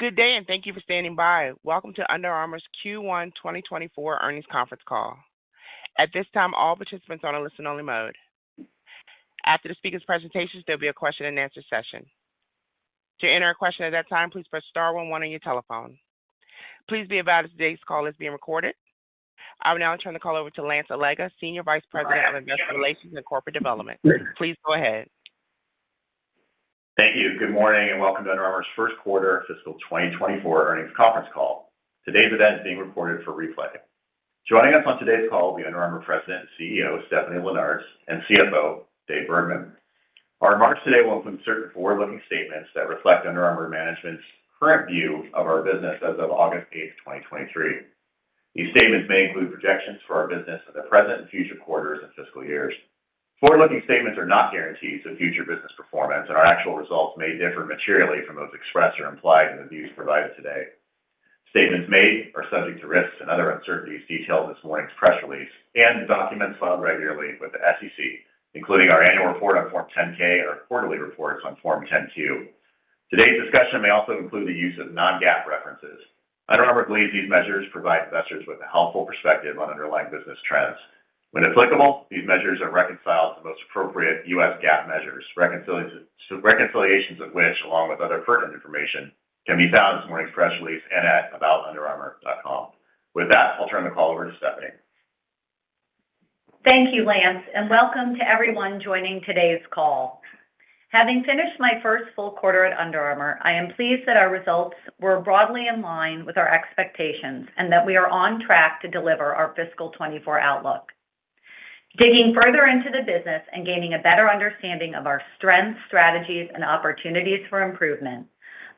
Good day. Thank you for standing by. Welcome to Under Armour's Q1 2024 Earnings Conference Call. At this time, all participants are on a listen-only mode. After the speaker's presentations, there'll be a question-and-answer session. To enter a question at that time, please press star one one on your telephone. Please be advised today's call is being recorded. I will now turn the call over to Lance Allega, Senior Vice President of Investor Relations and Corporate Development. Please go ahead. Thank you. Good morning, and welcome to Under Armour's first quarter fiscal 2024 earnings conference call. Today's event is being recorded for replay. Joining us on today's call will be Under Armour President and CEO, Stephanie Linnartz, and CFO, Dave Bergman. Our remarks today will include certain forward-looking statements that reflect Under Armour management's current view of our business as of August 8, 2023. These statements may include projections for our business in the present and future quarters and fiscal years. Forward-looking statements are not guarantees of future business performance, and our actual results may differ materially from those expressed or implied in the views provided today. Statements made are subject to risks and other uncertainties detailed in this morning's press release and the documents filed regularly with the SEC, including our annual report on Form 10-K or quarterly reports on Form 10-Q. Today's discussion may also include the use of non-GAAP references. Under Armour believes these measures provide investors with a helpful perspective on underlying business trends. When applicable, these measures are reconciled to the most appropriate U.S. GAAP measures, reconciliations of which, along with other pertinent information, can be found in this morning's press release and at aboutunderarmour.com. With that, I'll turn the call over to Stephanie. Thank you, Lance, and welcome to everyone joining today's call. Having finished my first full quarter at Under Armour, I am pleased that our results were broadly in line with our expectations and that we are on track to deliver our fiscal 2024 outlook. Digging further into the business and gaining a better understanding of our strengths, strategies, and opportunities for improvement,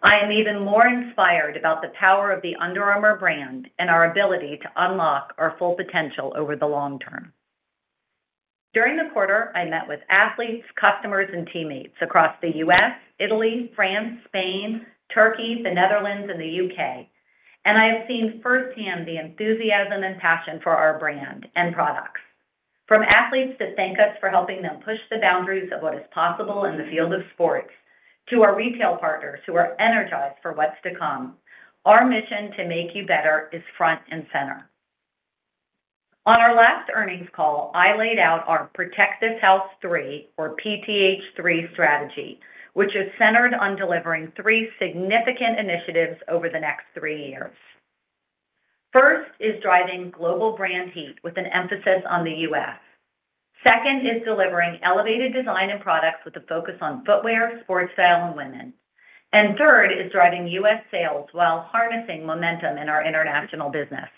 I am even more inspired about the power of the Under Armour brand and our ability to unlock our full potential over the long term. During the quarter, I met with athletes, customers, and teammates across the U.S., Italy, France, Spain, Turkey, the Netherlands, and the U.K., and I have seen firsthand the enthusiasm and passion for our brand and products. From athletes that thank us for helping them push the boundaries of what is possible in the field of sports, to our retail partners, who are energized for what's to come, our mission to make you better is front and center. On our last earnings call, I laid out our Protect This House 3, or PTH 3 strategy, which is centered on delivering three significant initiatives over the next three years. First is driving global brand heat with an emphasis on the U.S. Second is delivering elevated design and products with a focus on Footwear, Sportstyle, and Women. Third is driving U.S. sales while harnessing momentum in our international business.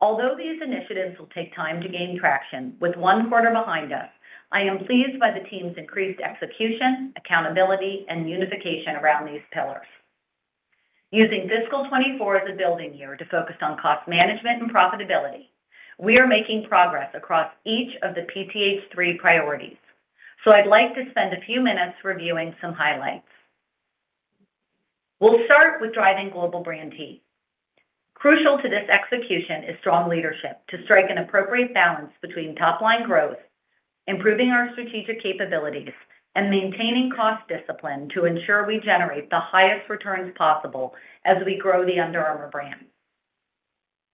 Although these initiatives will take time to gain traction, with one quarter behind us, I am pleased by the team's increased execution, accountability, and unification around these pillars. Using fiscal 2024 as a building year to focus on cost management and profitability, we are making progress across each of the PTH3 priorities. I'd like to spend a few minutes reviewing some highlights. We'll start with driving global brand heat. Crucial to this execution is strong leadership to strike an appropriate balance between top-line growth, improving our strategic capabilities, and maintaining cost discipline to ensure we generate the highest returns possible as we grow the Under Armour brand.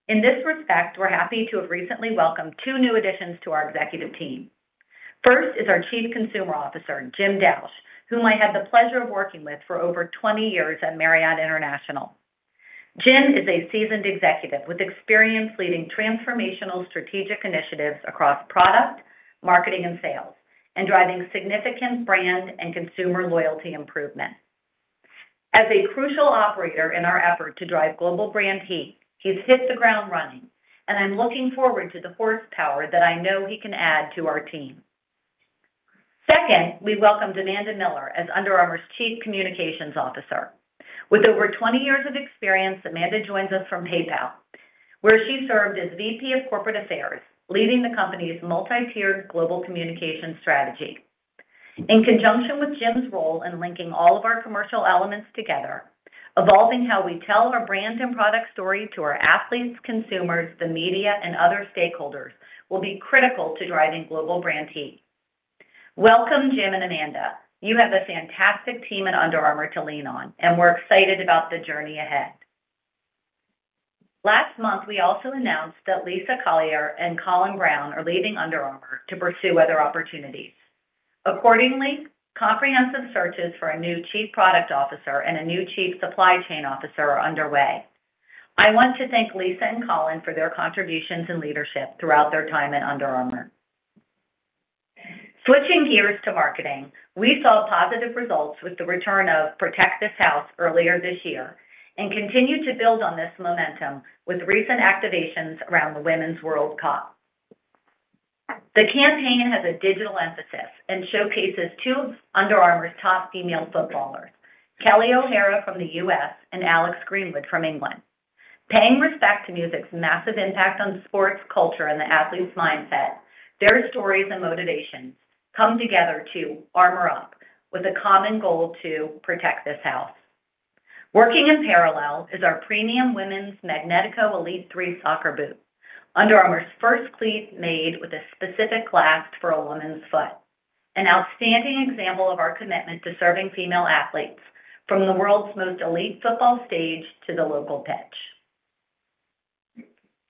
In this respect, we're happy to have recently welcomed two new additions to our executive team. First is our Chief Consumer Officer, Jim Dausch, whom I had the pleasure of working with for over 20 years at Marriott International. Jim is a seasoned executive with experience leading transformational strategic initiatives across product, marketing, and sales, and driving significant brand and consumer loyalty improvement. As a crucial operator in our effort to drive global brand heat, he's hit the ground running, and I'm looking forward to the horsepower that I know he can add to our team. Second, we welcome Amanda Miller as Under Armour's Chief Communications Officer. With over 20 years of experience, Amanda joins us from PayPal, where she served as VP of Corporate Affairs, leading the company's multi-tiered global communication strategy. In conjunction with Jim's role in linking all of our commercial elements together, evolving how we tell our brand and product story to our athletes, consumers, the media, and other stakeholders will be critical to driving global brand heat. Welcome, Jim and Amanda. You have a fantastic team at Under Armour to lean on, and we're excited about the journey ahead. Last month, we also announced that Lisa Collier and Colin Browne are leaving Under Armour to pursue other opportunities. Accordingly, comprehensive searches for a new chief product officer and a new chief supply chain officer are underway. I want to thank Lisa and Colin for their contributions and leadership throughout their time at Under Armour. Switching gears to marketing, we saw positive results with the return of Protect This House earlier this year and continued to build on this momentum with recent activations around the Women's World Cup. The campaign has a digital emphasis and showcases two of Under Armour's top female footballers, Kelley O'Hara from the U.S. and Alex Greenwood from England. Paying respect to music's massive impact on sports culture and the athletes' mindset, their stories and motivations come together to armour up with a common goal to protect this house. Working in parallel is our premium women's Magnetico Elite 3 soccer boot, Under Armour's first cleat made with a specific last for a woman's foot.... An outstanding example of our commitment to serving female athletes from the world's most elite football stage to the local pitch.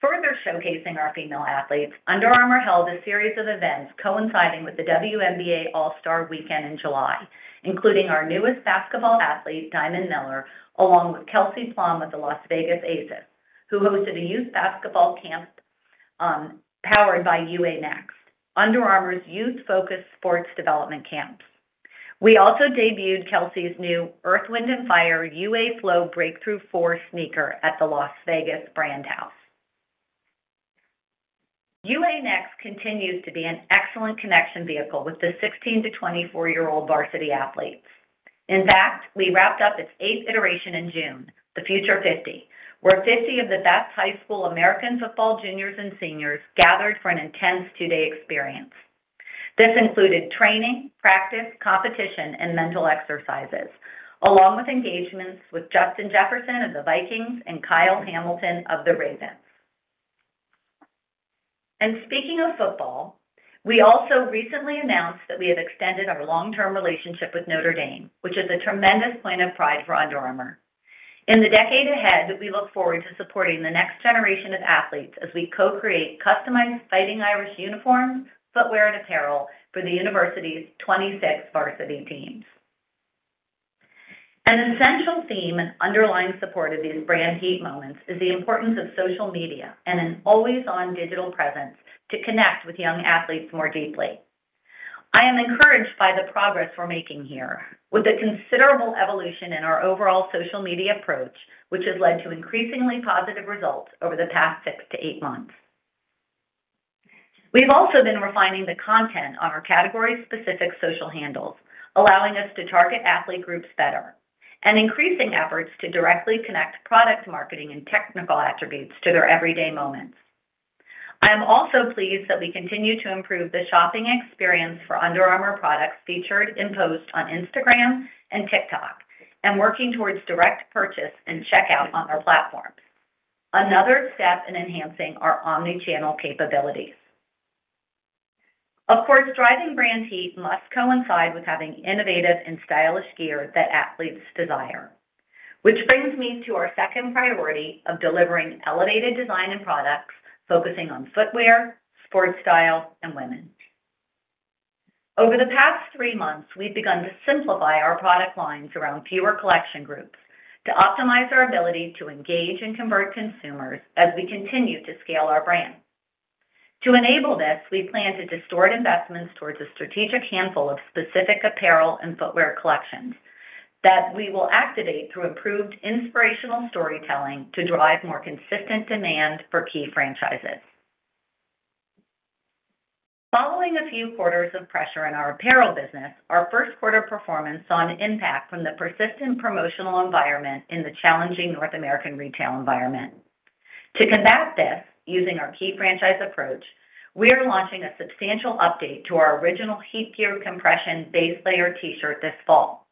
Further showcasing our female athletes, Under Armour held a series of events coinciding with the WNBA All-Star Weekend in July, including our newest basketball athlete, Diamond Miller, along with Kelsey Plum of the Las Vegas Aces, who hosted a youth basketball camp, powered by UA Next, Under Armour's youth-focused sports development camps. We also debuted Kelsey's new Earth, Wind and Fire UA Flow Breakthru 4 sneaker at the Las Vegas Brand House. UA Next continues to be an excellent connection vehicle with the 16 to 24-year-old varsity athletes. In fact, we wrapped up its eighth iteration in June, the Future 50, where 50 of the best high school American football juniors and seniors gathered for an intense two-day experience. This included training, practice, competition, and mental exercises, along with engagements with Justin Jefferson of the Vikings and Kyle Hamilton of the Ravens. Speaking of football, we also recently announced that we have extended our long-term relationship with Notre Dame, which is a tremendous point of pride for Under Armour. In the decade ahead, we look forward to supporting the next generation of athletes as we co-create customized Fighting Irish uniforms, Footwear, and Apparel for the university's 26 varsity teams. An essential theme and underlying support of these brand heat moments is the importance of social media and an always-on digital presence to connect with young athletes more deeply. I am encouraged by the progress we're making here, with a considerable evolution in our overall social media approach, which has led to increasingly positive results over the past six-eight months. We've also been refining the content on our category-specific social handles, allowing us to target athlete groups better and increasing efforts to directly connect product marketing and technical attributes to their everyday moments. I am also pleased that we continue to improve the shopping experience for Under Armour products featured in posts on Instagram and TikTok, and working towards direct purchase and checkout on our platforms, another step in enhancing our omni-channel capabilities. Of course, driving brand heat must coincide with having innovative and stylish gear that athletes desire, which brings me to our second priority of delivering elevated design and products, focusing on footwear, Sportstyle, and Women. Over the past three months, we've begun to simplify our product lines around fewer collection groups to optimize our ability to engage and convert consumers as we continue to scale our brand. To enable this, we plan to distort investments towards a strategic handful of specific apparel and footwear collections that we will activate through improved inspirational storytelling to drive more consistent demand for key franchises. Following a few quarters of pressure in our Apparel business, our first quarter performance saw an impact from the persistent promotional environment in the challenging North American retail environment. To combat this, using our key franchise approach, we are launching a substantial update to our original HeatGear compression base layer T-shirt this fall.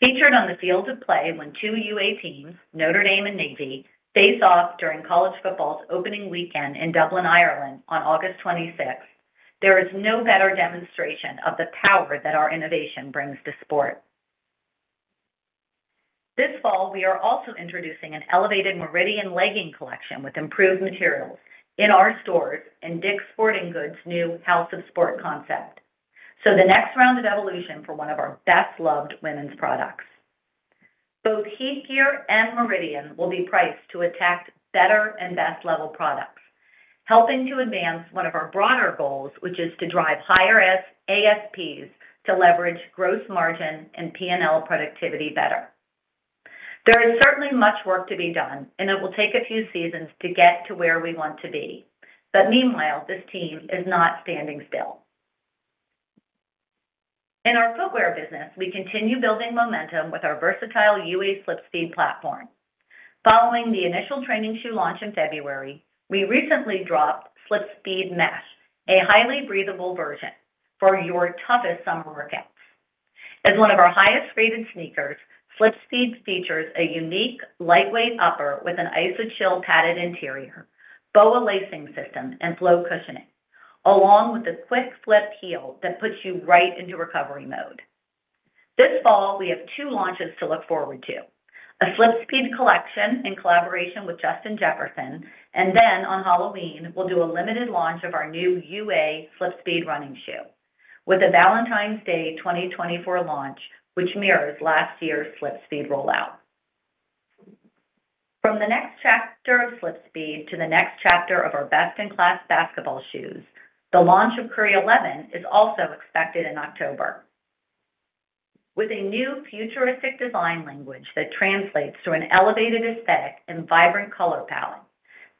Featured on the fields of play when two UA teams, Notre Dame and Navy, face off during college football's opening weekend in Dublin, Ireland, on August 26th, there is no better demonstration of the power that our innovation brings to sport. This fall, we are also introducing an elevated Meridian legging collection with improved materials in our stores and DICK'S Sporting Goods' new House of Sport concept. The next round of evolution for one of our best-loved women's products. Both HeatGear and Meridian will be priced to attack better and best level products, helping to advance one of our broader goals, which is to drive higher ASPs to leverage gross margin and P&L productivity better. There is certainly much work to be done. It will take a few seasons to get to where we want to be. Meanwhile, this team is not standing still. In our Footwear business, we continue building momentum with our versatile UA SlipSpeed platform. Following the initial training shoe launch in February, we recently dropped SlipSpeed Mesh, a highly breathable version for your toughest summer workouts. As one of our highest-rated sneakers, SlipSpeed features a unique, lightweight upper with an Iso-Chill padded interior, BOA lacing system, and Flow cushioning, along with a quick flip heel that puts you right into recovery mode. This fall, we have two launches to look forward to: a SlipSpeed collection in collaboration with Justin Jefferson, and then on Halloween, we'll do a limited launch of our new UA SlipSpeed running shoe with a Valentine's Day 2024 launch, which mirrors last year's SlipSpeed rollout. From the next chapter of SlipSpeed to the next chapter of our best-in-class basketball shoes, the launch of Curry 11 is also expected in October. With a new futuristic design language that translates to an elevated aesthetic and vibrant color palette,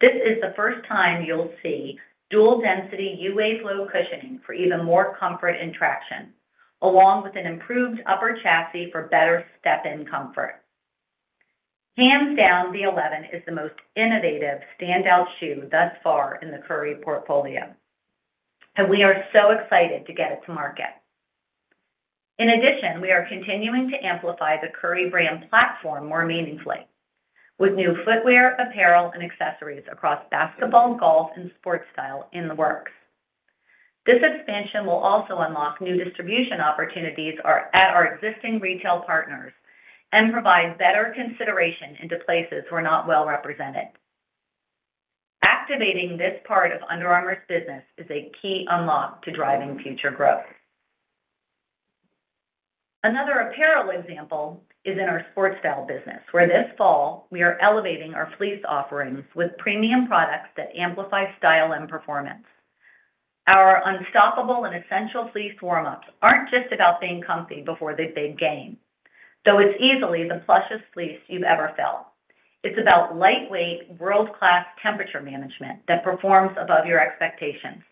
this is the first time you'll see dual-density UA Flow cushioning for even more comfort and traction, along with an improved upper chassis for better step-in comfort. Hands down, the 11 is the most innovative standout shoe thus far in the Curry portfolio, and we are so excited to get it to market. In addition, we are continuing to amplify the Curry brand platform more meaningfully, with new footwear, apparel, and accessories across basketball, golf, and Sportstyle in the works. This expansion will also unlock new distribution opportunities at our existing retail partners and provide better consideration into places we're not well represented. Activating this part of Under Armour's business is a key unlock to driving future growth. Another Apparel example is in our Sportstyle business, where this fall, we are elevating our fleece offerings with premium products that amplify style and performance. Our Unstoppable and Essential fleece warm-ups aren't just about being comfy before the big game, though it's easily the plushest fleece you've ever felt. It's about lightweight, world-class temperature management that performs above your expectations.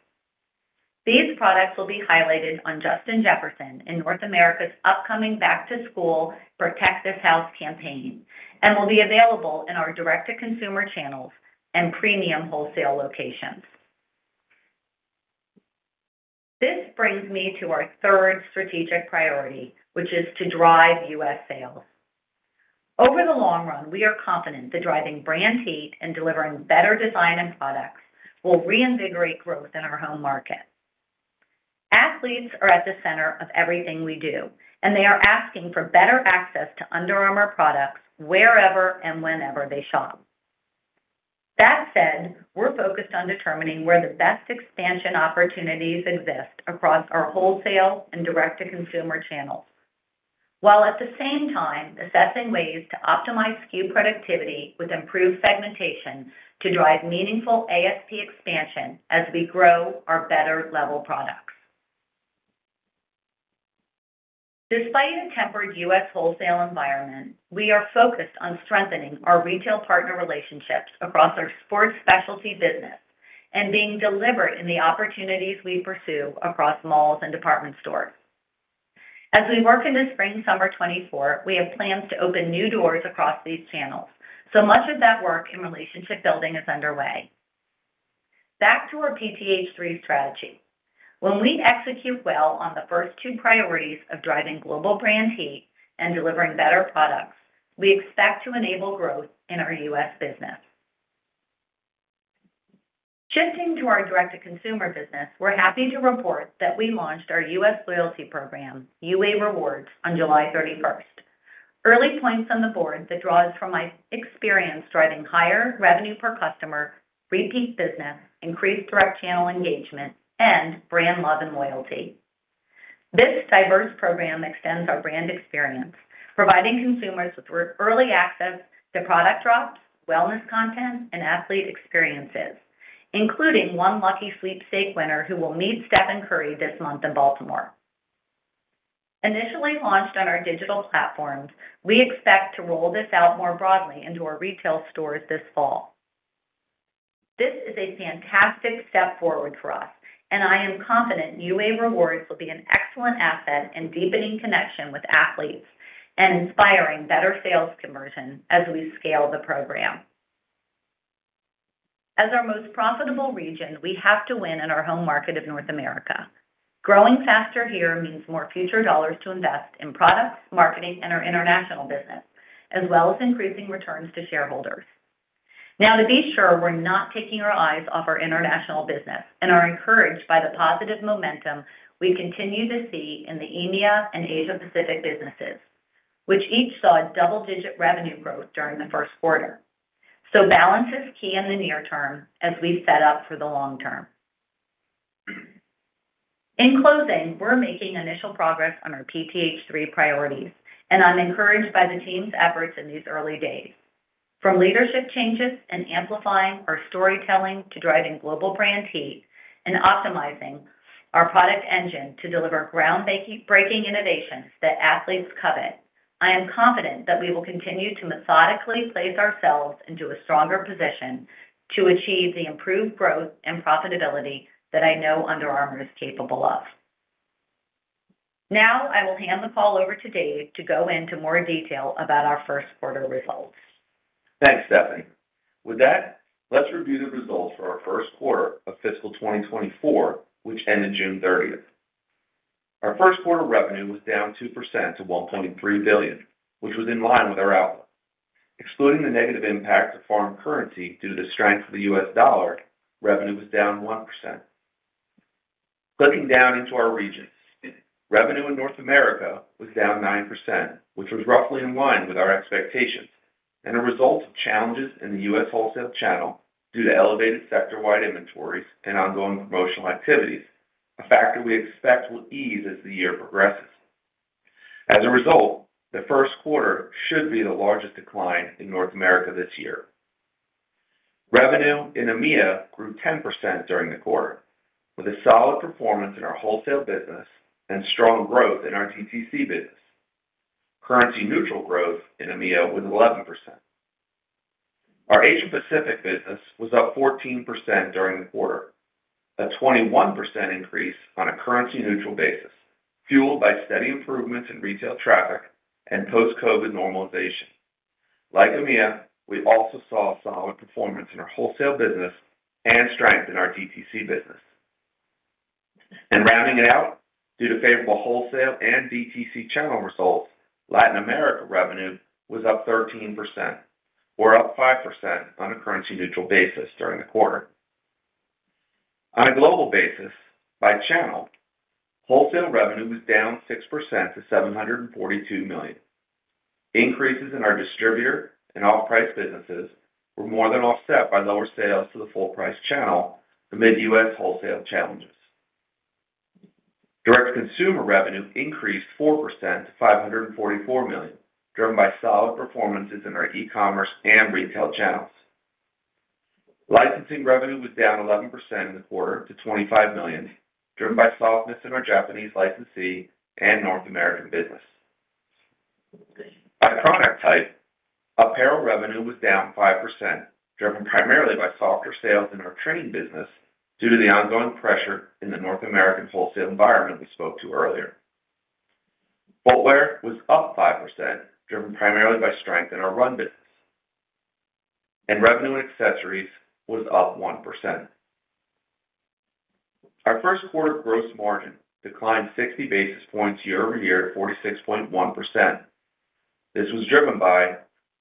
These products will be highlighted on Justin Jefferson in North America's upcoming Back to School Protect This House campaign, and will be available in our Direct-to-Consumer channels and premium wholesale locations. This brings me to our third strategic priority, which is to drive U.S. sales. Over the long run, we are confident that driving brand heat and delivering better design and products will reinvigorate growth in our home market. Athletes are at the center of everything we do, and they are asking for better access to Under Armour products wherever and whenever they shop. That said, we're focused on determining where the best expansion opportunities exist across our Wholesale and Direct-to-Consumer channels, while at the same time assessing ways to optimize SKU productivity with improved segmentation to drive meaningful ASP expansion as we grow our better level products. Despite a tempered U.S. wholesale environment, we are focused on strengthening our retail partner relationships across our sports specialty business and being deliberate in the opportunities we pursue across malls and department stores. As we work in the spring-summer 2024, we have plans to open new doors across these channels, so much of that work in relationship building is underway. Back to our PTH3 strategy. When we execute well on the first two priorities of driving global brand heat and delivering better products, we expect to enable growth in our U.S. business. Shifting to our Direct-to-Consumer business, we're happy to report that we launched our U.S. loyalty program, UA Rewards, on July 31st. Early points on the board that draws from my experience driving higher revenue per customer, repeat business, increased direct channel engagement, and brand love and loyalty. This diverse program extends our brand experience, providing consumers with early access to product drops, wellness content, and athlete experiences, including one lucky sweepstake winner who will meet Stephen Curry this month in Baltimore. Initially launched on our digital platforms, we expect to roll this out more broadly into our retail stores this fall. This is a fantastic step forward for us, and I am confident UA Rewards will be an excellent asset in deepening connection with athletes and inspiring better sales conversion as we scale the program. As our most profitable region, we have to win in our home market of North America. Growing faster here means more future dollars to invest in products, marketing, and our international business, as well as increasing returns to shareholders. Now, to be sure, we're not taking our eyes off our international business and are encouraged by the positive momentum we continue to see in the EMEA and Asia Pacific businesses, which each saw a double-digit revenue growth during the first quarter. Balance is key in the near term as we set up for the long term. In closing, we're making initial progress on our PTH3 priorities. I'm encouraged by the team's efforts in these early days. From leadership changes and amplifying our storytelling, to driving global brand heat and optimizing our product engine to deliver ground-breaking innovations that athletes covet, I am confident that we will continue to methodically place ourselves into a stronger position to achieve the improved growth and profitability that I know Under Armour is capable of. I will hand the call over to Dave to go into more detail about our first quarter results. Thanks, Stephanie. With that, let's review the results for our first quarter of fiscal 2024, which ended June 30th. Our first quarter revenue was down 2% to $1.3 billion, which was in line with our outlook. Excluding the negative impact of foreign currency due to the strength of the U.S. dollar, revenue was down 1%. Breaking down into our regions, revenue in North America was down 9%, which was roughly in line with our expectations and a result of challenges in the U.S. wholesale channel due to elevated sector-wide inventories and ongoing promotional activities, a factor we expect will ease as the year progresses. As a result, the first quarter should be the largest decline in North America this year. Revenue in EMEA grew 10% during the quarter, with a solid performance in our Wholesale business and strong growth in our DTC business. Currency-neutral growth in EMEA was 11%. Our Asia Pacific business was up 14% during the quarter, a 21% increase on a currency-neutral basis, fueled by steady improvements in retail traffic and post-COVID normalization. Like EMEA, we also saw solid performance in our Wholesale business and strength in our DTC business. Rounding it out, due to favorable Wholesale and DTC channel results, Latin America revenue was up 13%, or up 5% on a currency-neutral basis during the quarter. On a global basis, by channel, Wholesale revenue was down 6% to $742 million. Increases in our distributor and off-price businesses were more than offset by lower sales to the full-price channel amid U.S. wholesale challenges. Direct-to-Consumer revenue increased 4% to $544 million, driven by solid performances in our e-commerce and retail channels. Licensing revenue was down 11% in the quarter to $25 million, driven by softness in our Japanese licensee and North American business. By product type, Apparel revenue was down 5%, driven primarily by softer sales in our training business due to the ongoing pressure in the North American wholesale environment we spoke to earlier. Footwear was up 5%, driven primarily by strength in our run business. Revenue in Accessories was up 1%. Our first quarter gross margin declined 60 basis points year-over-year to 46.1%. This was driven by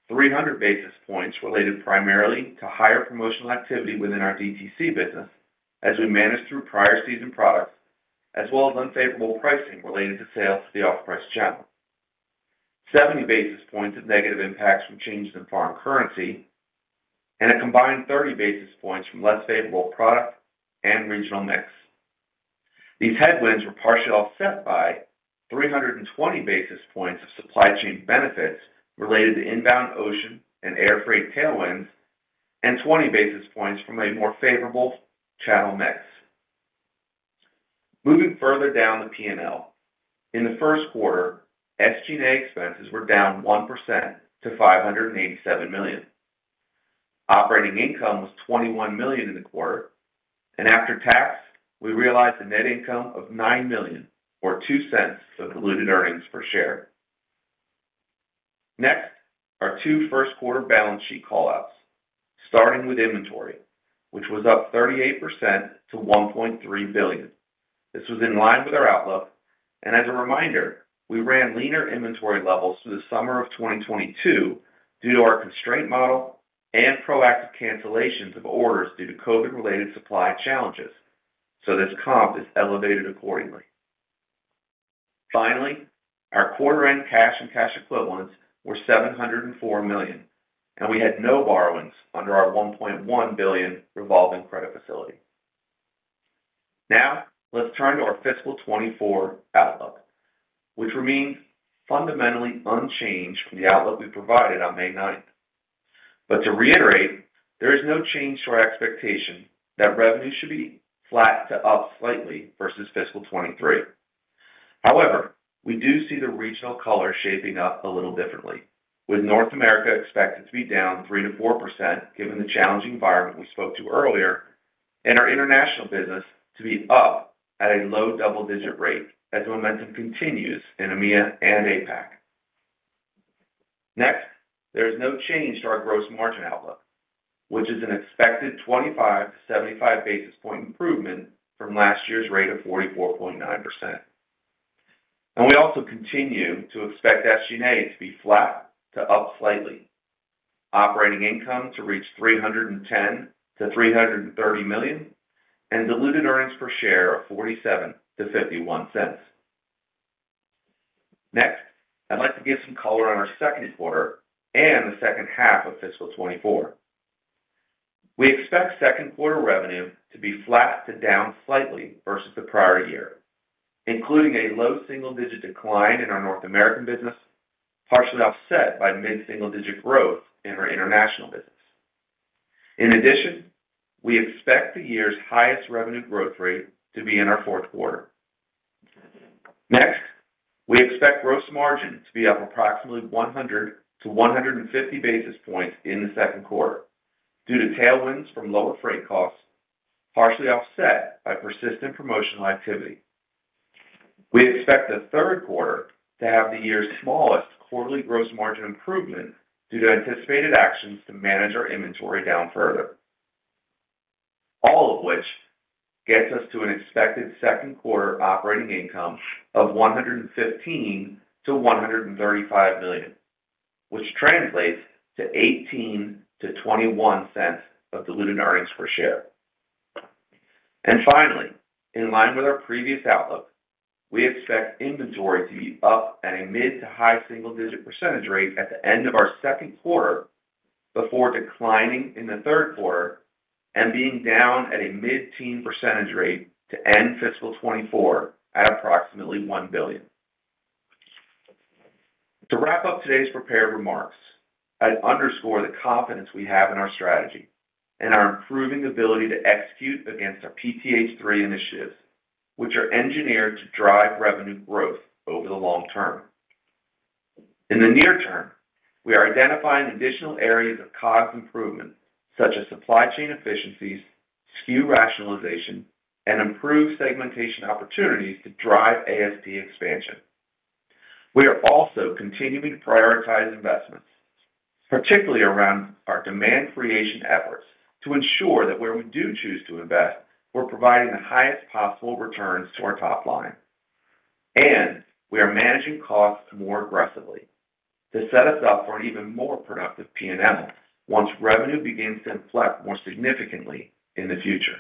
300 basis points related primarily to higher promotional activity within our DTC business as we managed through prior season products, as well as unfavorable pricing related to sales to the off-price channel. 70 basis points of negative impacts from changes in foreign currency, and a combined 30 basis points from less favorable product and regional mix. These headwinds were partially offset by 320 basis points of supply chain benefits related to inbound ocean and air freight tailwinds, and 20 basis points from a more favorable channel mix. Moving further down the P&L, in the first quarter, SG&A expenses were down 1% to $587 million. Operating income was $21 million in the quarter, and after tax, we realized a net income of $9 million, or $0.02 of diluted earnings per share. Next, our two first quarter balance sheet call-outs, starting with inventory, which was up 38% to $1.3 billion. This was in line with our outlook. As a reminder, we ran leaner inventory levels through the summer of 2022 due to our constraint model and proactive cancellations of orders due to COVID-related supply challenges, so this comp is elevated accordingly. Finally, our quarter-end cash and cash equivalents were $704 million, and we had no borrowings under our $1.1 billion revolving credit facility. Let's turn to our fiscal 2024 outlook, which remains fundamentally unchanged from the outlook we provided on May 9th. To reiterate, there is no change to our expectation that revenue should be flat to up slightly versus fiscal 2023. However, we do see the regional color shaping up a little differently, with North America expected to be down 3%-4%, given the challenging environment we spoke to earlier, and our international business to be up at a low double-digit rate as momentum continues in EMEA and APAC. Next, there is no change to our gross margin outlook, which is an expected 25-75 basis point improvement from last year's rate of 44.9%. We also continue to expect SG&A to be flat to up slightly, operating income to reach $310 million-$330 million, and diluted earnings per share of $0.47-$0.51. Next, I'd like to give some color on our second quarter and the second half of fiscal 2024. We expect second quarter revenue to be flat to down slightly versus the prior year, including a low single-digit decline in our North American business, partially offset by mid-single digit growth in our international business. In addition, we expect the year's highest revenue growth rate to be in our fourth quarter. Next, we expect gross margin to be up approximately 100-150 basis points in the second quarter due to tailwinds from lower freight costs, partially offset by persistent promotional activity. We expect the third quarter to have the year's smallest quarterly gross margin improvement due to anticipated actions to manage our inventory down further. All of which gets us to an expected second quarter operating income of $115 million-$135 million, which translates to $0.18-$0.21 of diluted earnings per share. Finally, in line with our previous outlook, we expect inventory to be up at a mid- to high-single digit percentage rate at the end of our second quarter, before declining in the third quarter and being down at a mid-teen percentage rate to end fiscal 2024 at approximately $1 billion. To wrap up today's prepared remarks, I'd underscore the confidence we have in our strategy and our improving ability to execute against our PTH3 initiatives, which are engineered to drive revenue growth over the long term. In the near term, we are identifying additional areas of cost improvement, such as supply chain efficiencies, SKU rationalization, and improve segmentation opportunities to drive ASP expansion. We are also continuing to prioritize investments, particularly around our demand creation efforts, to ensure that where we do choose to invest, we're providing the highest possible returns to our top line. We are managing costs more aggressively to set us up for an even more productive P&L once revenue begins to inflect more significantly in the future.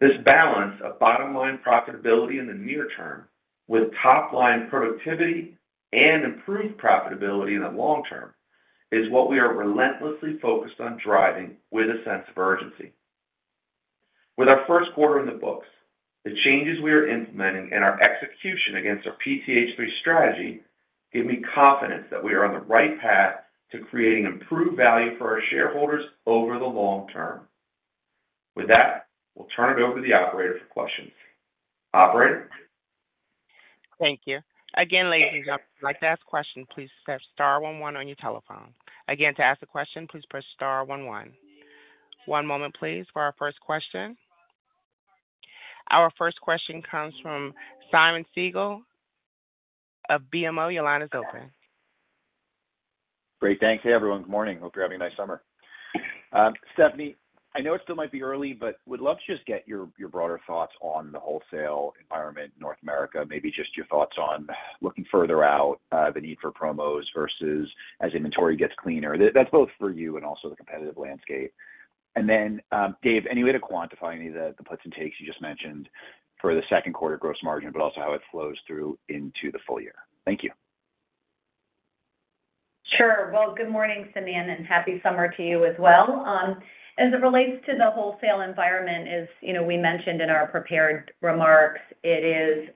This balance of bottom line profitability in the near term, with top line productivity and improved profitability in the long term, is what we are relentlessly focused on driving with a sense of urgency. With our first quarter in the books, the changes we are implementing and our execution against our PTH3 strategy, give me confidence that we are on the right path to creating improved value for our shareholders over the long term. With that, we'll turn it over to the operator for questions. Operator? Thank you. Again, ladies and gentlemen, if you'd like to ask question, please press star one one on your telephone. Again, to ask a question, please press star one one. One moment, please, for our first question. Our first question comes from Simeon Siegel of BMO. Your line is open. Great, thanks. Hey, everyone. Good morning. Hope you're having a nice summer. Stephanie, I know it still might be early, but would love to just get your, your broader thoughts on the wholesale environment in North America. Maybe just your thoughts on looking further out, the need for promos versus as inventory gets cleaner. That's both for you and also the competitive landscape. Dave, any way to quantify any of the, the puts and takes you just mentioned for the second quarter gross margin, but also how it flows through into the full year? Thank you. Sure. Good morning, Simeon, and happy summer to you as well. As it relates to the wholesale environment, as you know, we mentioned in our prepared remarks, it is,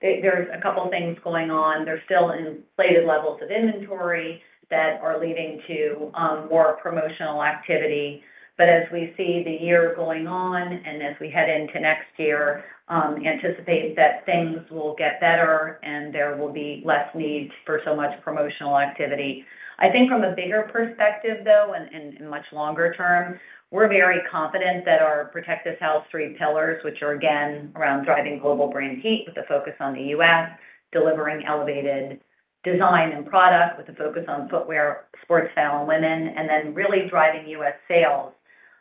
there's a couple things going on. There's still inflated levels of inventory that are leading to more promotional activity. As we see the year going on and as we head into next year, anticipate that things will get better and there will be less need for so much promotional activity. I think from a bigger perspective, though, and much longer term, we're very confident that our Protect This House 3 pillars, which are again, around driving global brand heat with a focus on the U.S., delivering elevated design and product with a focus on footwear, Sportstyle, and Women, and then really driving U.S. sales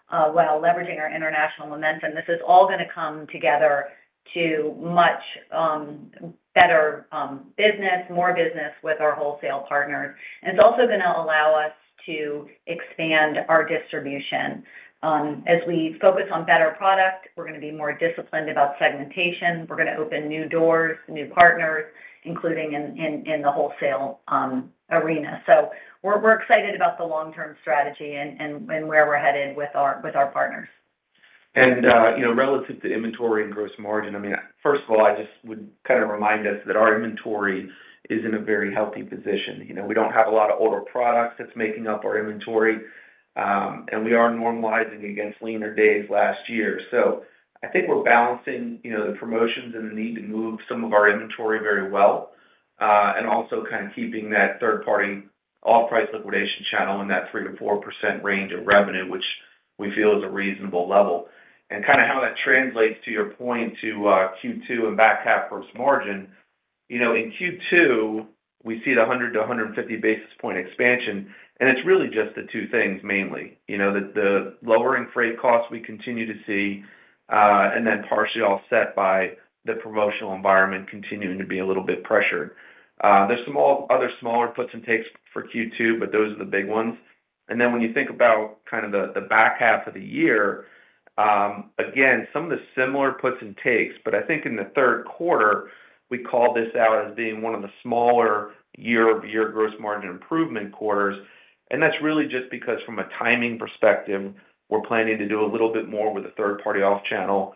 while leveraging our international momentum. This is all gonna come together to much better business, more business with our wholesale partners. It's also gonna allow us to expand our distribution. As we focus on better product, we're gonna be more disciplined about segmentation. We're gonna open new doors, new partners, including in, in, in the wholesale arena. We're, we're excited about the long-term strategy and, and, and where we're headed with our, with our partners. You know, relative to inventory and gross margin, I mean, first of all, I just would kind of remind us that our inventory is in a very healthy position. You know, we don't have a lot of older products that's making up our inventory, and we are normalizing against leaner days last year. I think we're balancing, you know, the promotions and the need to move some of our inventory very well, and also kind of keeping that third-party, off-price liquidation channel in that 3%-4% range of revenue, which we feel is a reasonable level. Kinda how that translates to your point to, Q2 and back half gross margin, you know, in Q2, we see the 100 to 150 basis point expansion, and it's really just the two things, mainly. You know, the, the lowering freight costs we continue to see, and then partially offset by the promotional environment continuing to be a little bit pressured. There's some other smaller puts and takes for Q2, but those are the big ones. When you think about kind of the, the back half of the year, again, some of the similar puts and takes, but I think in the third quarter, we call this out as being one of the smaller year-over-year gross margin improvement quarters, and that's really just because from a timing perspective, we're planning to do a little bit more with the third-party off channel,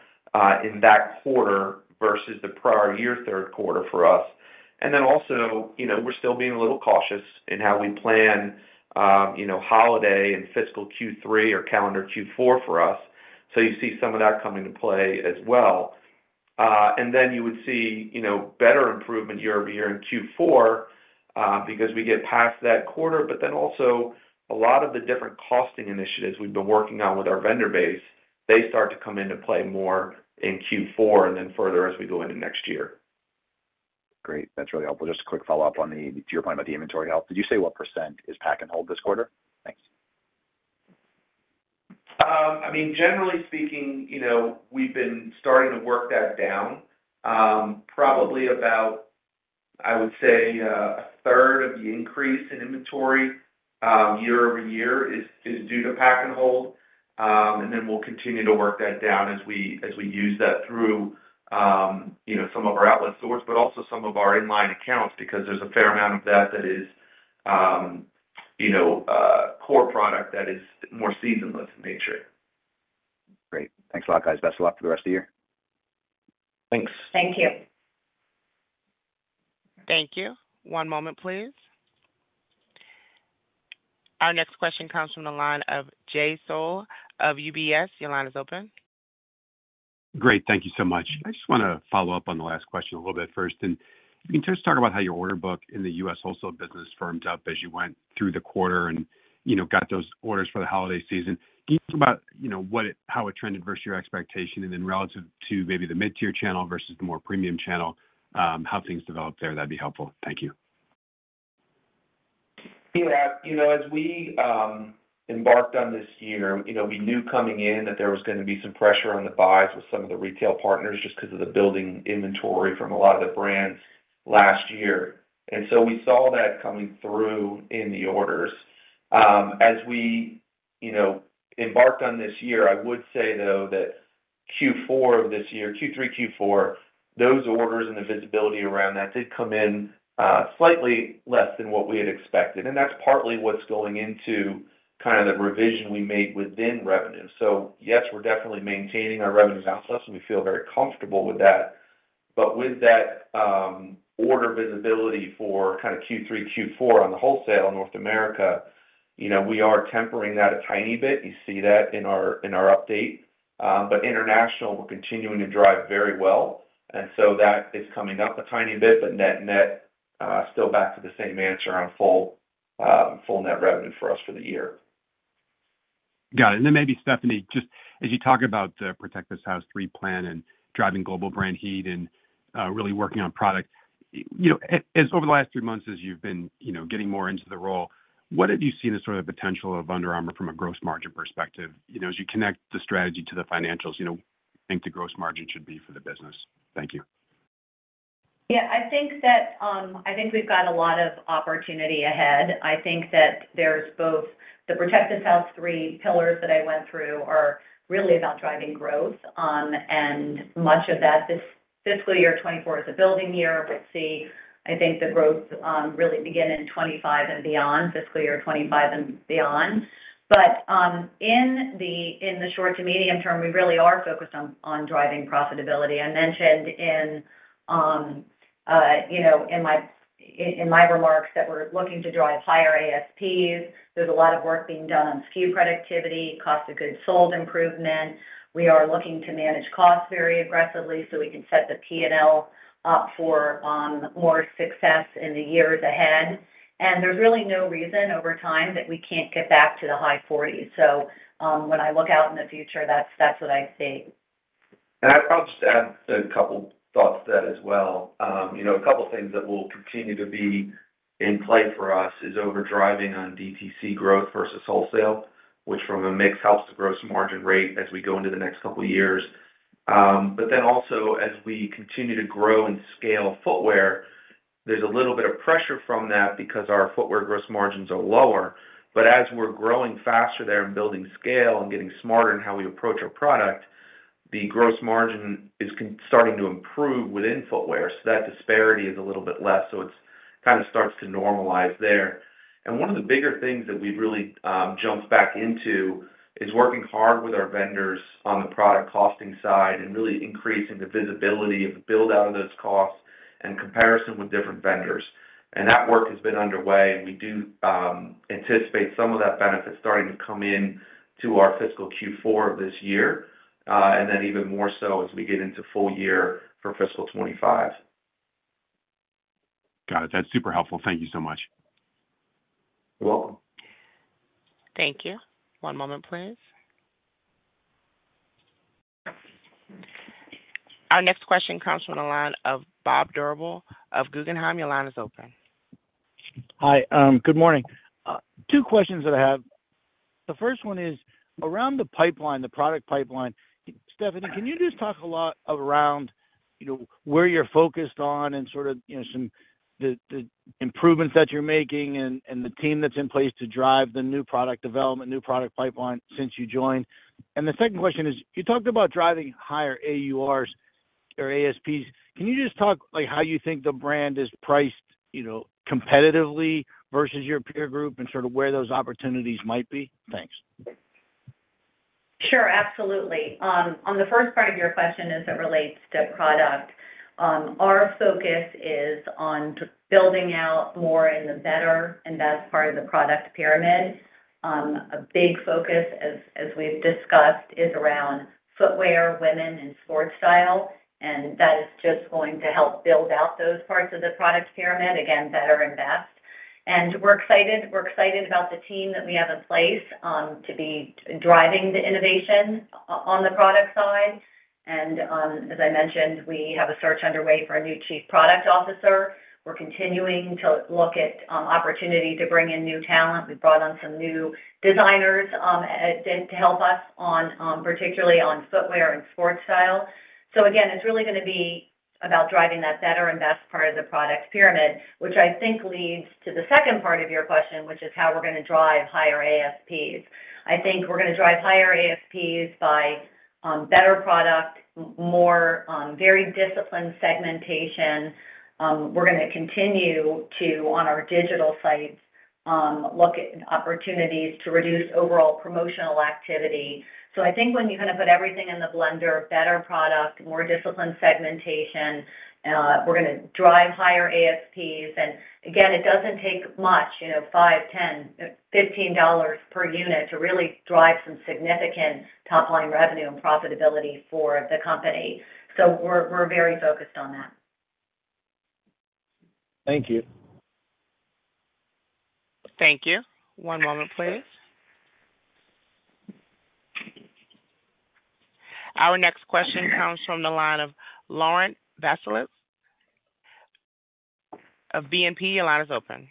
in that quarter versus the prior year third quarter for us. Then also, you know, we're still being a little cautious in how we plan, you know, holiday and fiscal Q3 or calendar Q4 for us. You see some of that coming to play as well. Then you would see, you know, better improvement year-over-year in Q4, because we get past that quarter, but then also a lot of the different costing initiatives we've been working on with our vendor base, they start to come into play more in Q4 and then further as we go into next year. Great. That's really helpful. Just a quick follow-up to your point about the inventory health. Did you say what percentage is pack and hold this quarter? Thanks. I mean, generally speaking, you know, we've been starting to work that down. Probably about, I would say, a third of the increase in inventory, year-over-year is, is due to pack and hold. We'll continue to work that down as we, as we use that through, you know, some of our outlet stores, but also some of our in-line accounts, because there's a fair amount of that that is, you know, core product that is more seasonless in nature. Great. Thanks a lot, guys. Best of luck for the rest of the year. Thanks. Thank you. Thank you. One moment, please. Our next question comes from the line of Jay Sole of UBS. Your line is open. Great. Thank you so much. I just want to follow up on the last question a little bit first. Can you just talk about how your order book in the U.S. Wholesale business firmed up as you went through the quarter and, you know, got those orders for the holiday season? Can you talk about, you know, what it, how it trended versus your expectation, and then relative to maybe the mid-tier channel versus the more premium channel, how things developed there? That'd be helpful. Thank you. Yeah. You know, as we embarked on this year, you know, we knew coming in that there was going to be some pressure on the buys with some of the retail partners just because of the building inventory from a lot of the brands last year. We saw that coming through in the orders. As we, you know, embarked on this year, I would say, though, that Q4 of this year, Q3, Q4, those orders and the visibility around that did come in slightly less than what we had expected, and that's partly what's going into kind of the revision we made within revenue. Yes, we're definitely maintaining our revenue's outlook, and we feel very comfortable with that. With that, order visibility for kind of Q3, Q4 on the wholesale North America, you know, we are tempering that a tiny bit. You see that in our, in our update. International, we're continuing to drive very well. That is coming up a tiny bit. Net-net, still back to the same answer on full, full net revenue for us for the year. Got it. Then maybe, Stephanie, just as you talk about the Protect This House 3 plan and driving global brand heat and really working on product, you know, as over the last three months, as you've been, you know, getting more into the role, what have you seen as sort of the potential of Under Armour from a gross margin perspective? You know, as you connect the strategy to the financials, you know, think the gross margin should be for the business. Thank you. Yeah, I think that, I think we've got a lot of opportunity ahead. I think that there's both the Protect This House 3 pillars that I went through are really about driving growth. Much of that, this fiscal year, 2024, is a building year. We'll see. I think the growth really begin in 2025 and beyond, fiscal year 2025 and beyond. In the, in the short to medium term, we really are focused on, on driving profitability. I mentioned in, you know, in my, in, in my remarks that we're looking to drive higher ASPs. There's a lot of work being done on SKU productivity, cost of goods sold improvement. We are looking to manage costs very aggressively so we can set the P&L up for more success in the years ahead. There's really no reason over time that we can't get back to the high 40s. When I look out in the future, that's, that's what I see. I'd probably just add a couple thoughts to that as well. You know, a couple of things that will continue to be in play for us is overdriving on DTC growth versus Wholesale, which from a mix, helps the gross margin rate as we go into the next couple of years. Also, as we continue to grow and scale footwear, there's a little bit of pressure from that because our footwear gross margins are lower. As we're growing faster there and building scale and getting smarter in how we approach our product, the gross margin is starting to improve within footwear, so that disparity is a little bit less, so it's kind of starts to normalize there. One of the bigger things that we've really jumped back into is working hard with our vendors on the product costing side and really increasing the visibility of the build out of those costs and comparison with different vendors. That work has been underway, and we do anticipate some of that benefit starting to come in to our fiscal Q4 of this year, and then even more so as we get into full year for fiscal 2025. Got it. That's super helpful. Thank you so much. You're welcome. Thank you. One moment, please. Our next question comes from the line of Bob Drbul of Guggenheim. Your line is open. Hi, good morning. Two questions that I have. The first one is around the pipeline, the product pipeline. Stephanie, can you just talk a lot around, you know, where you're focused on and sort of, you know, the improvements that you're making and the team that's in place to drive the new product development, new product pipeline since you joined? The second question is, you talked about driving higher AURs or ASPs. Can you just talk, like, how you think the brand is priced, you know, competitively versus your peer group and sort of where those opportunities might be? Thanks. Sure, absolutely. On the first part of your question, as it relates to product, our focus is on building out more in the better and best part of the product pyramid. A big focus, as, as we've discussed, is around Footwear, Women and Sportstyle, and that is just going to help build out those parts of the product pyramid. Again, better and best. We're excited. We're excited about the team that we have in place, to be driving the innovation on the product side. As I mentioned, we have a search underway for a new Chief Product Officer. We're continuing to look at, opportunity to bring in new talent. We've brought on some new designers, to help us on, particularly on Footwear and Sportstyle. Again, it's really gonna be about driving that better and best part of the product pyramid, which I think leads to the second part of your question, which is how we're gonna drive higher ASPs. I think we're gonna drive higher ASPs by better product, more very disciplined segmentation. We're gonna continue to, on our digital sites, look at opportunities to reduce overall promotional activity. I think when you're gonna put everything in the blender, better product, more disciplined segmentation, we're gonna drive higher ASPs. Again, it doesn't take much, you know, $5, $10, $15 per unit to really drive some significant top-line revenue and profitability for the company. We're, we're very focused on that. Thank you. Thank you. One moment, please. Our next question comes from the line of Laurent Vasilescu of BNP. Your line is open.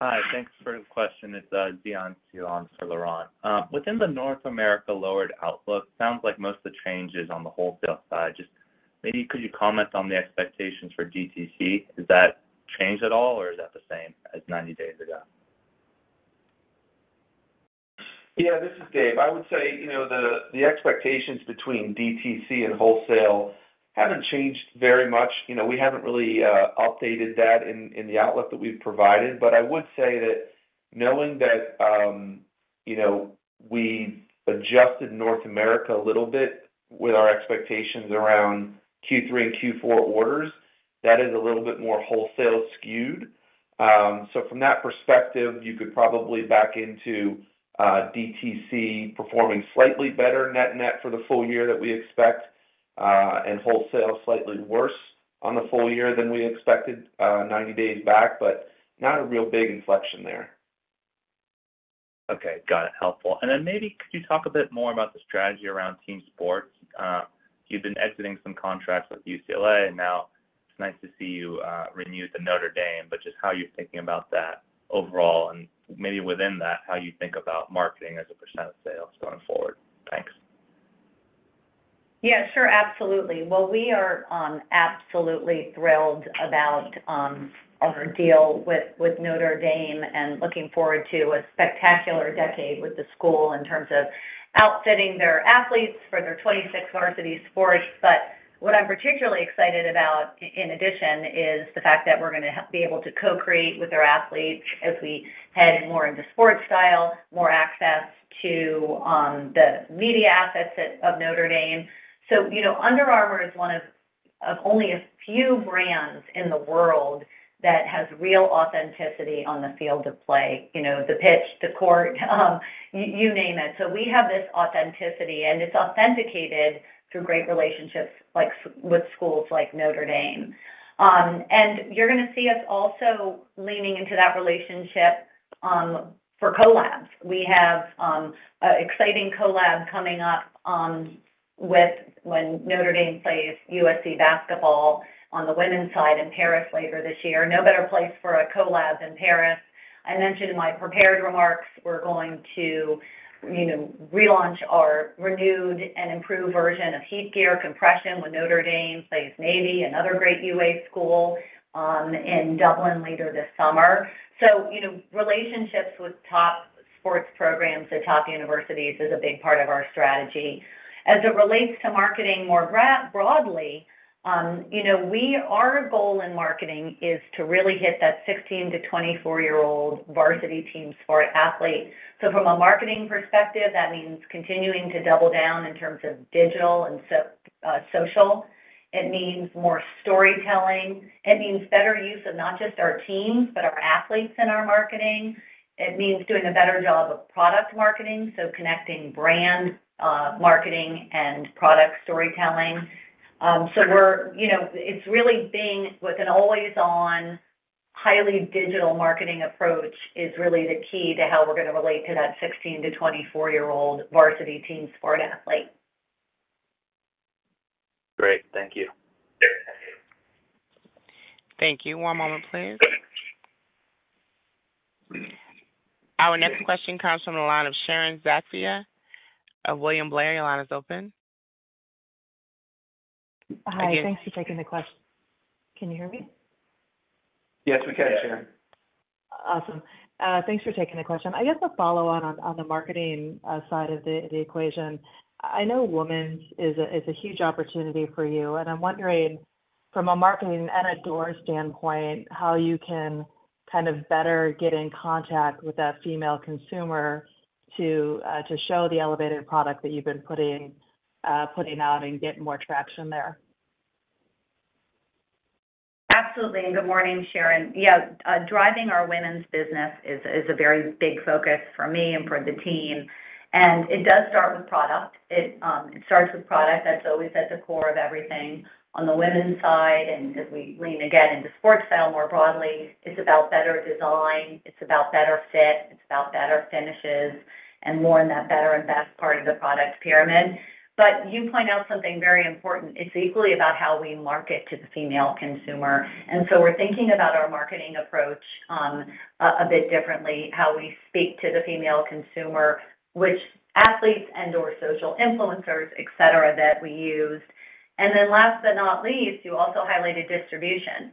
Hi, thanks for the question. It's Xian Siew for Laurent. Within the North America lowered outlook, sounds like most of the changes on the wholesale side. Just maybe could you comment on the expectations for DTC? Does that change at all, or is that the same as 90 days ago? Yeah, this is Dave. I would say, you know, the, the expectations between DTC and Wholesale haven't changed very much. You know, we haven't really updated that in, in the outlook that we've provided. I would say that knowing that, you know, we adjusted North America a little bit with our expectations around Q3 and Q4 orders, that is a little bit more wholesale skewed. From that perspective, you could probably back into DTC performing slightly better net net for the full year that we expect, and Wholesale slightly worse on the full year than we expected 90 days back, but not a real big inflection there. Okay, got it. Helpful. Then maybe could you talk a bit more about the strategy around team sports? You've been exiting some contracts with UCLA, and now it's nice to see you renew with Notre Dame, but just how you're thinking about that overall, and maybe within that, how you think about marketing as a percent of sales going forward. Thanks. Yeah, sure. Absolutely. Well, we are absolutely thrilled about our deal with Notre Dame and looking forward to a spectacular decade with the school in terms of outfitting their athletes for their 26 varsity sports. What I'm particularly excited about, in addition, is the fact that we're gonna be able to co-create with their athletes as we head more into Sportstyle, more access to the media assets that of Notre Dame. You know, Under Armour is one of, of only a few brands in the world that has real authenticity on the field of play, you know, the pitch, the court, you name it. We have this authenticity, and it's authenticated through great relationships like with schools like Notre Dame. You're gonna see us also leaning into that relationship for collabs. We have exciting collab coming up with when University of Notre Dame plays USC basketball on the women's side in Paris later this year. No better place for a collab than Paris. I mentioned in my prepared remarks, we're going to, you know, relaunch our renewed and improved version of HeatGear compression when University of Notre Dame plays United States Naval Academy, another great UA school, in Dublin later this summer. You know, relationships with top sports programs at top universities is a big part of our strategy. As it relates to marketing more broadly, you know, our goal in marketing is to really hit that 16-24-year-old varsity team sport athlete. From a marketing perspective, that means continuing to double down in terms of digital and social. It means more storytelling. It means better use of not just our teams, but our athletes in our marketing. It means doing a better job of product marketing, so connecting brand marketing and product storytelling. We're, you know, it's really being with an always on, highly digital marketing approach is really the key to how we're gonna relate to that 16- to 24-year-old varsity team sport athlete. Great. Thank you. Thank you. One moment, please. Our next question comes from the line of Sharon Zackfia of William Blair. Your line is open. Hi. Thanks for taking the. Can you hear me? Yes, we can, Sharon. Awesome. Thanks for taking the question. I guess a follow on, on, on the marketing side of the equation. I know women's is a, is a huge opportunity for you, and I'm wondering from a marketing and a door standpoint, how you can kind of better get in contact with that female consumer to show the elevated product that you've been putting, putting out and get more traction there. Absolutely. Good morning, Sharon. Yeah, driving our Women's business is, is a very big focus for me and for the team. It does start with product. It, it starts with product that's always at the core of everything on the women's side. As we lean again into Sportstyle, more broadly, it's about better design, it's about better fit, it's about better finishes and more in that better and best part of the product pyramid. You point out something very important. It's equally about how we market to the female consumer. We're thinking about our marketing approach, a, a bit differently, how we speak to the female consumer, which athletes and/or social influencers, et cetera, that we use. Last but not least, you also highlighted distribution.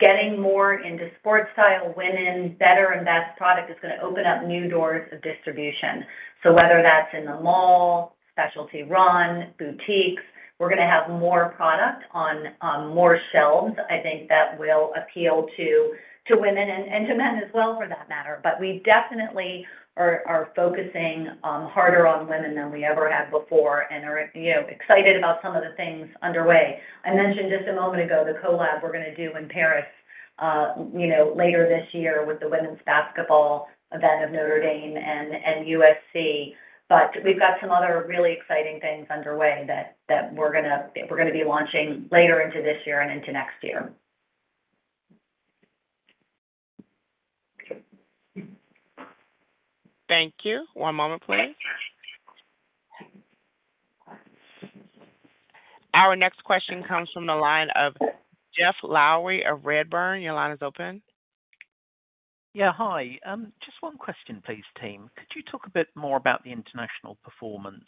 Getting more into Sportstyle, Women, better and best product is gonna open up new doors of distribution. Whether that's in the mall, specialty run, boutiques, we're gonna have more product on, on more shelves. I think that will appeal to, to women and, and to men as well, for that matter. We definitely are, are focusing harder on women than we ever have before and are, you know, excited about some of the things underway. I mentioned just a moment ago, the collab we're gonna do in Paris, you know, later this year with the women's basketball event of Notre Dame and USC. We've got some other really exciting things underway that, that we're gonna, we're gonna be launching later into this year and into next year. Thank you. One moment, please. Our next question comes from the line of Geoff Lowery of Redburn. Your line is open. Yeah, hi. Just one question, please, team. Could you talk a bit more about the international performance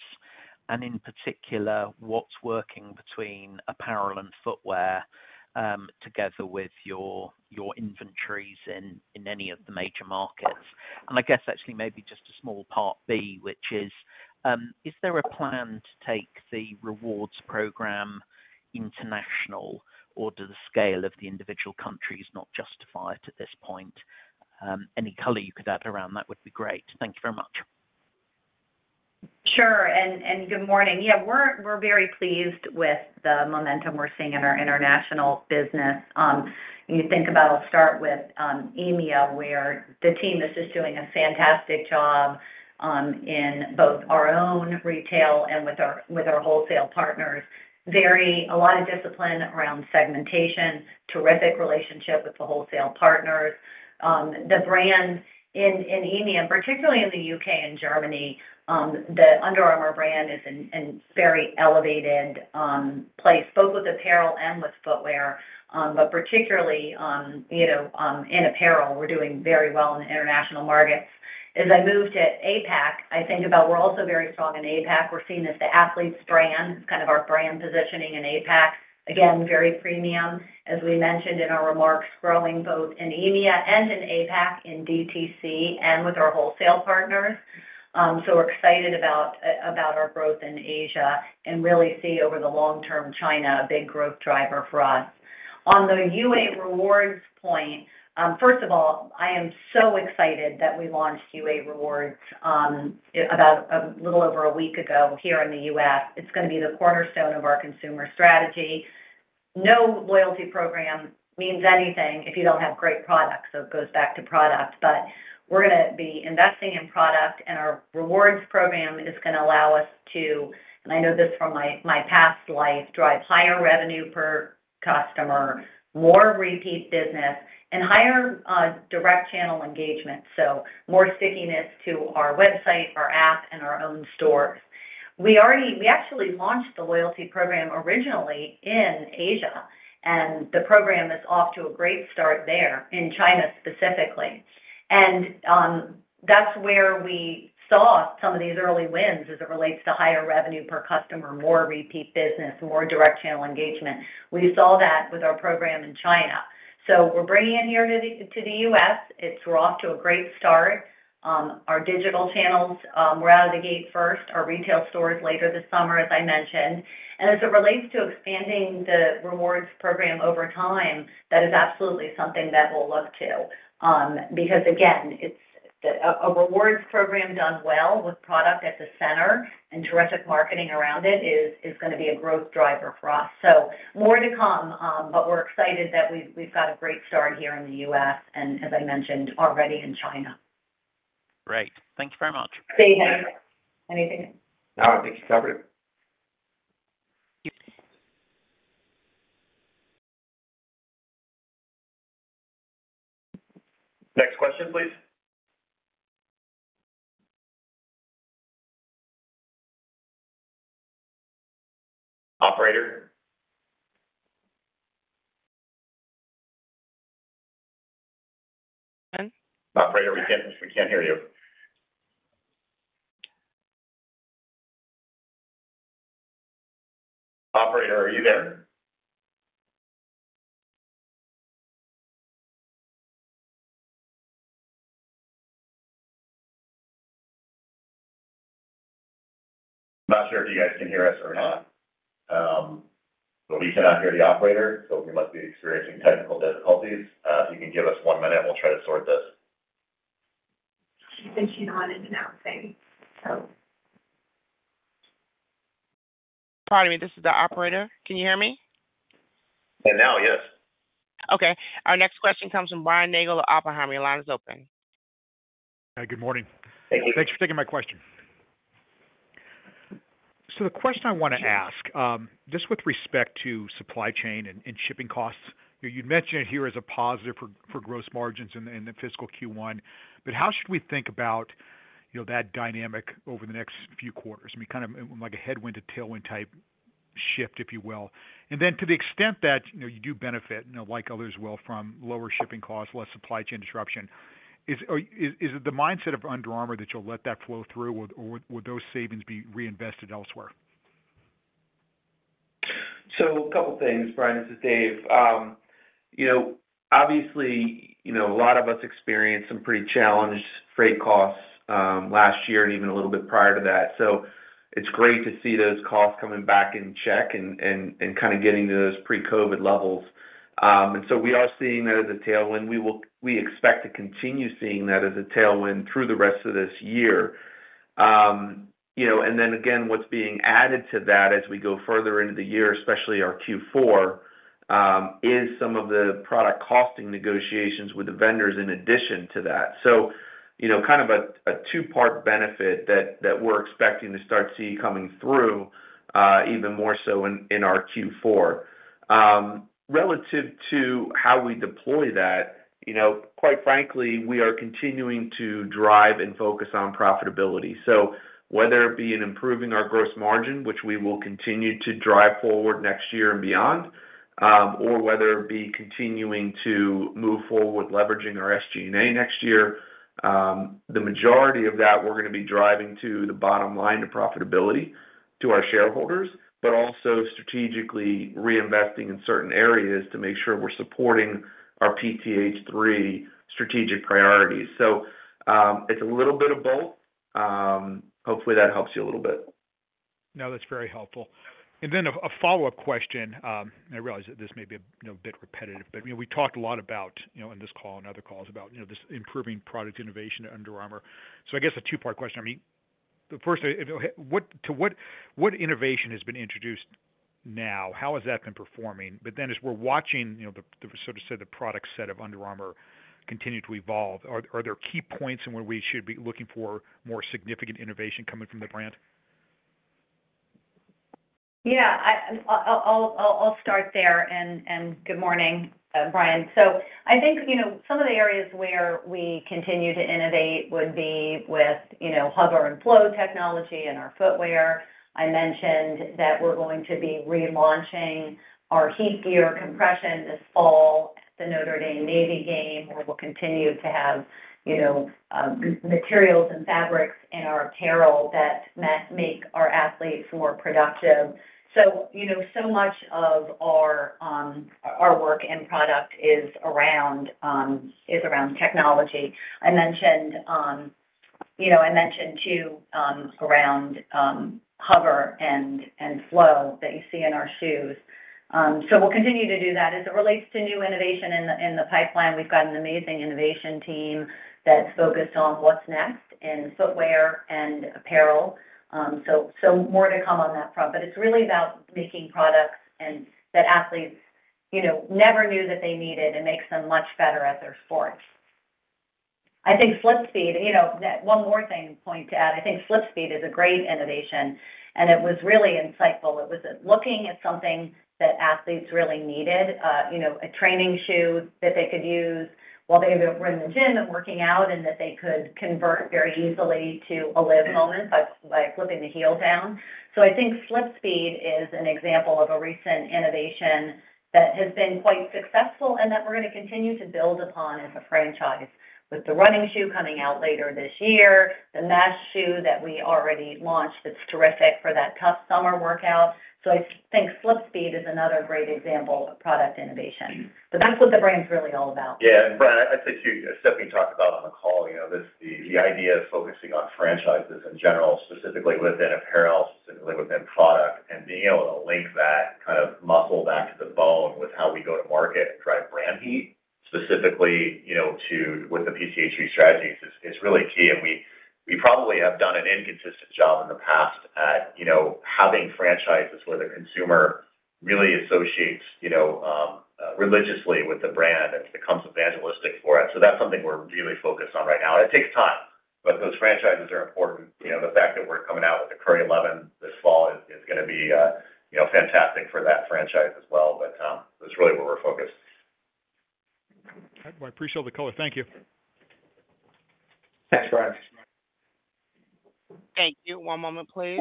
and in particular, what's working between Apparel and Footwear, together with your, your inventories in, in any of the major markets? I guess actually maybe just a small part B, which is, is there a plan to take the rewards program international, or do the scale of the individual countries not justify it at this point? Any color you could add around that would be great. Thank you very much. Sure. Good morning. Yeah, we're, we're very pleased with the momentum we're seeing in our international business. You think about, I'll start with EMEA, where the team is just doing a fantastic job in both our own retail and with our, with our wholesale partners. Very a lot of discipline around segmentation, terrific relationship with the wholesale partners. The brand in, in EMEA, particularly in the U.K. and Germany, the Under Armour brand is in, in very elevated place, both with Apparel and with Footwear, but particularly, you know, in Apparel, we're doing very well in the international markets. As I move to APAC, I think about we're also very strong in APAC. We're seen as the athletes brand, kind of our brand positioning in APAC. Again, very premium, as we mentioned in our remarks, growing both in EMEA and in APAC, in DTC and with our wholesale partners. We're excited about our growth in Asia and really see over the long term, China, a big growth driver for us. On the UA Rewards point, first of all, I am so excited that we launched UA Rewards about a little over a week ago here in the U.S. It's gonna be the cornerstone of our consumer strategy. No loyalty program means anything if you don't have great products, it goes back to product. We're gonna be investing in product, and our rewards program is gonna allow us to, and I know this from my, my past life, drive higher revenue per customer, more repeat business, and higher direct channel engagement. More stickiness to our website, our app, and our own stores. We already. We actually launched the loyalty program originally in Asia, and the program is off to a great start there in China, specifically. That's where we saw some of these early wins as it relates to higher revenue per customer, more repeat business, more direct channel engagement. We saw that with our program in China. We're bringing it here to the, to the U.S. It's we're off to a great start. Our digital channels, we're out of the gate first, our retail stores later this summer, as I mentioned. As it relates to expanding the rewards program over time, that is absolutely something that we'll look to, because, again, it's a rewards program done well with product at the center and terrific marketing around it, is gonna be a growth driver for us. More to come, but we're excited that we've, we've got a great start here in the U.S., and as I mentioned, already in China. Great. Thank you very much. Dave, anything? No, I think you covered it. Thank you. Next question, please. Operator? Operator, we can't, we can't hear you. Operator, are you there? I'm not sure if you guys can hear us or not, we cannot hear the operator, so we must be experiencing technical difficulties. If you can give us one minute, we'll try to sort this. She's been she on and out thing, so. Pardon me, this is the operator. Can you hear me? Now, yes. Our next question comes from Brian Nagel of Oppenheimer. Your line is open. Hi, good morning. Thank you. Thanks for taking my question. The question I wanna ask, just with respect to supply chain and shipping costs, you mentioned it here as a positive for gross margins in the fiscal Q1, but how should we think about, you know, that dynamic over the next few quarters? I mean, kind of like a headwind to tailwind type shift, if you will. Then to the extent that, you know, you do benefit, you know, like others will, from lower shipping costs, less supply chain disruption, is, is it the mindset of Under Armour that you'll let that flow through, or would those savings be reinvested elsewhere? A couple of things, Brian. This is Dave. You know, obviously, you know, a lot of us experienced some pretty challenged freight costs last year and even a little bit prior to that. It's great to see those costs coming back in check and, and, and kind of getting to those pre-COVID levels. We are seeing that as a tailwind. We expect to continue seeing that as a tailwind through the rest of this year.... you know, and then again, what's being added to that as we go further into the year, especially our Q4, is some of the product costing negotiations with the vendors in addition to that. You know, kind of a, a two-part benefit that, that we're expecting to start seeing coming through, even more so in, in our Q4. Relative to how we deploy that, you know, quite frankly, we are continuing to drive and focus on profitability. Whether it be in improving our gross margin, which we will continue to drive forward next year and beyond, or whether it be continuing to move forward, leveraging our SG&A next year, the majority of that, we're gonna be driving to the bottom line, to profitability, to our shareholders, but also strategically reinvesting in certain areas to make sure we're supporting our PTH3 strategic priorities. It's a little bit of both. Hopefully, that helps you a little bit. No, that's very helpful. Then a, a follow-up question. I realize that this may be a, you know, bit repetitive, but, I mean, we talked a lot about, you know, in this call and other calls about, you know, this improving product innovation at Under Armour. I guess a two-part question. I mean, the first thing, to what, what innovation has been introduced now? How has that been performing? Then, as we're watching, you know, the, the sort of say, the product set of Under Armour continue to evolve, are, are there key points in where we should be looking for more significant innovation coming from the brand? Yeah, I'll start there. Good morning, Brian. I think, you know, some of the areas where we continue to innovate would be with, you know, HOVR and Flow technology in our footwear. I mentioned that we're going to be relaunching our HeatGear compression this fall at the Notre Dame Navy game, where we'll continue to have, you know, materials and fabrics in our apparel that make our athletes more productive. You know, so much of our, our work and product is around, is around technology. I mentioned, you know, I mentioned, too, around, HOVR and Flow that you see in our shoes. We'll continue to do that. As it relates to new innovation in the, in the pipeline, we've got an amazing innovation team that's focused on what's next in footwear and apparel. More to come on that front, but it's really about making products and that athletes, you know, never knew that they needed and makes them much better at their sports. I think SlipSpeed, you know, one more thing to point out, I think SlipSpeed is a great innovation, and it was really insightful. It was looking at something that athletes really needed, you know, a training shoe that they could use while they were in the gym and working out, and that they could convert very easily to a live moment by, by flipping the heel down. I think SlipSpeed is an example of a recent innovation that has been quite successful and that we're gonna continue to build upon as a franchise. With the running shoe coming out later this year, the mesh shoe that we already launched, that's terrific for that tough summer workout. I think SlipSpeed is another great example of product innovation. That's what the brand's really all about. Brian, I'd say, too, Stephanie talked about on the call, you know, this, the, the idea of focusing on franchises in general, specifically within Apparel, specifically within product, and being able to link that kind of muscle back to the bone with how we go to market and drive brand heat, specifically, you know, with the PTH3 strategies is, is really key. We, we probably have done an inconsistent job in the past at, you know, having franchises where the consumer really associates, you know, religiously with the brand and becomes evangelistic for it. That's something we're really focused on right now, and it takes time, but those franchises are important. You know, the fact that we're coming out with the Curry 11 this fall is, is gonna be, you know, fantastic for that franchise as well, but that's really where we're focused. I appreciate the color. Thank you. Thanks, Brian. Thank you. One moment, please.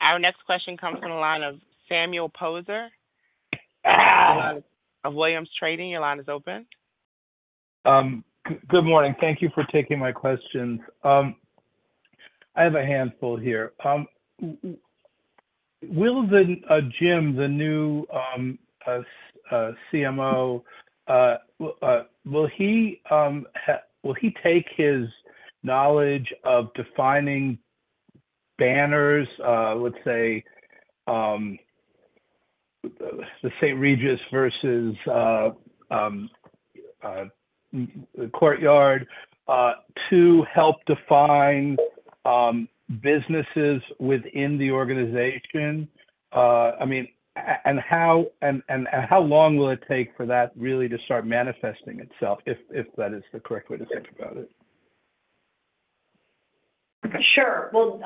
Our next question comes from the line of Samuel Poser of Williams Trading. Your line is open. Good morning. Thank you for taking my questions. I have a handful here. Will the Jim, the new CMO, will he take his knowledge of defining banners, let's say, The St. Regis versus Courtyard, to help define businesses within the organization? I mean, and how, and how long will it take for that really to start manifesting itself, if that is the correct way to think about it? Sure. Well,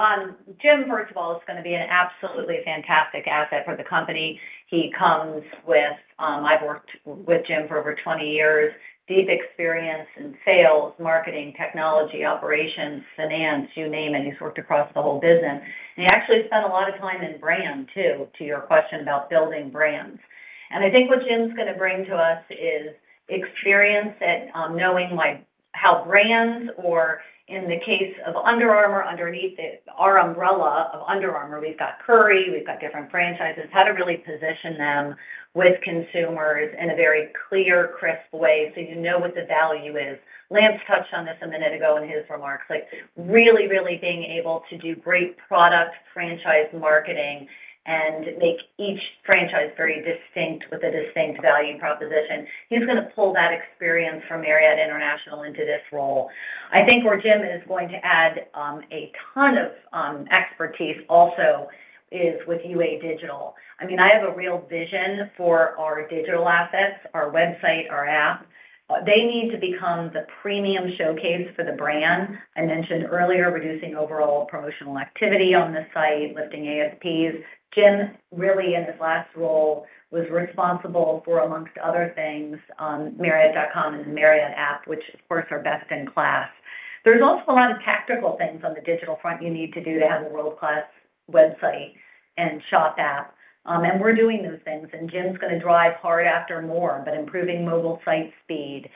Jim, first of all, is gonna be an absolutely fantastic asset for the company. He comes with, I've worked with Jim for over 20 years. Deep experience in sales, marketing, technology, operations, finance, you name it. He's worked across the whole business. He actually spent a lot of time in brand, too, to your question about building brands. I think what Jim's gonna bring to us is experience at knowing like how brands or in the case of Under Armour, underneath it, our umbrella of Under Armour, we've got Curry, we've got different franchises, how to really position them with consumers in a very clear, crisp way, so you know what the value is. Lance touched on this a minute ago in his remarks, like, really, really being able to do great product franchise marketing and make each franchise very distinct with a distinct value proposition. He's gonna pull that experience from Marriott International into this role. I think where Jim is going to add, a ton of expertise also is with UA digital. I mean, I have a real vision for our digital assets, our website, our app. They need to become the premium showcase for the brand. I mentioned earlier, reducing overall promotional activity on the site, lifting ASPs. Jim, really, in his last role, was responsible for, amongst other things, Marriott.com and the Marriott app, which of course, are best in class. There's also a lot of tactical things on the digital front you need to do to have a world-class website and shop app. We're doing those things, and Jim's gonna drive hard after more, but improving mobile site speed,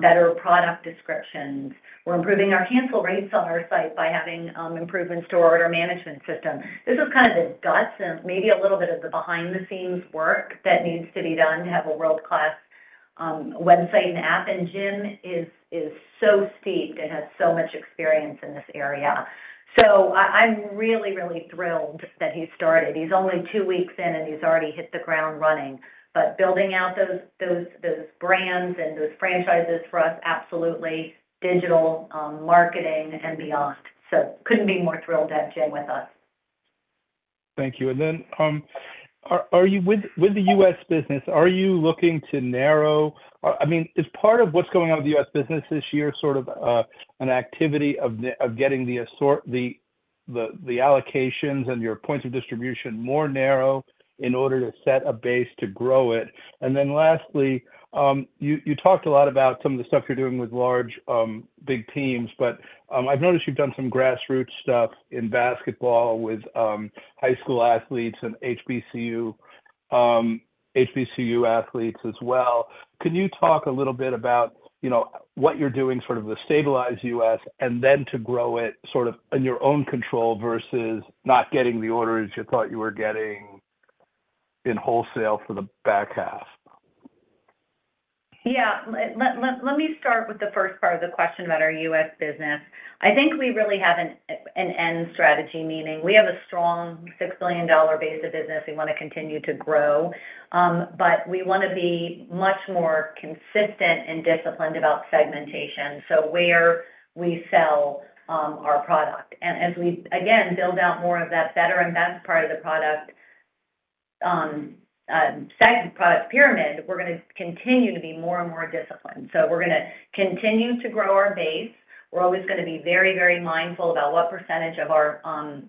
better product descriptions. We're improving our cancel rates on our site by having improvements to our order management system. This is kind of the gut sense, maybe a little bit of the behind-the-scenes work that needs to be done to have a world-class website and app, and Jim is, is so steeped and has so much experience in this area. I, I'm really, really thrilled that he started. He's only two weeks in, and he's already hit the ground running. Building out those, those, those brands and those franchises for us, absolutely, digital marketing and beyond. Couldn't be more thrilled to have Jim with us. Thank you. With the U.S. business, are you looking to narrow... I mean, is part of what's going on with the U.S. business this year, sort of, an activity of getting the allocations and your points of distribution more narrow in order to set a base to grow it? Lastly, you talked a lot about some of the stuff you're doing with large, big teams, but I've noticed you've done some grassroots stuff in basketball with high school athletes and HBCU, HBCU athletes as well. Can you talk a little bit about, you know, what you're doing, sort of, to stabilize U.S. and then to grow it sort of in your own control versus not getting the orders you thought you were getting in wholesale for the back half? Yeah. Let me start with the first part of the question about our U.S. business. I think we really have an end strategy, meaning we have a strong $6 billion base of business we wanna continue to grow, but we wanna be much more consistent and disciplined about segmentation, so where we sell our product. As we, again, build out more of that better and best part of the product pyramid, we're gonna continue to be more and more disciplined. We're gonna continue to grow our base. We're always gonna be very, very mindful about what percentage of our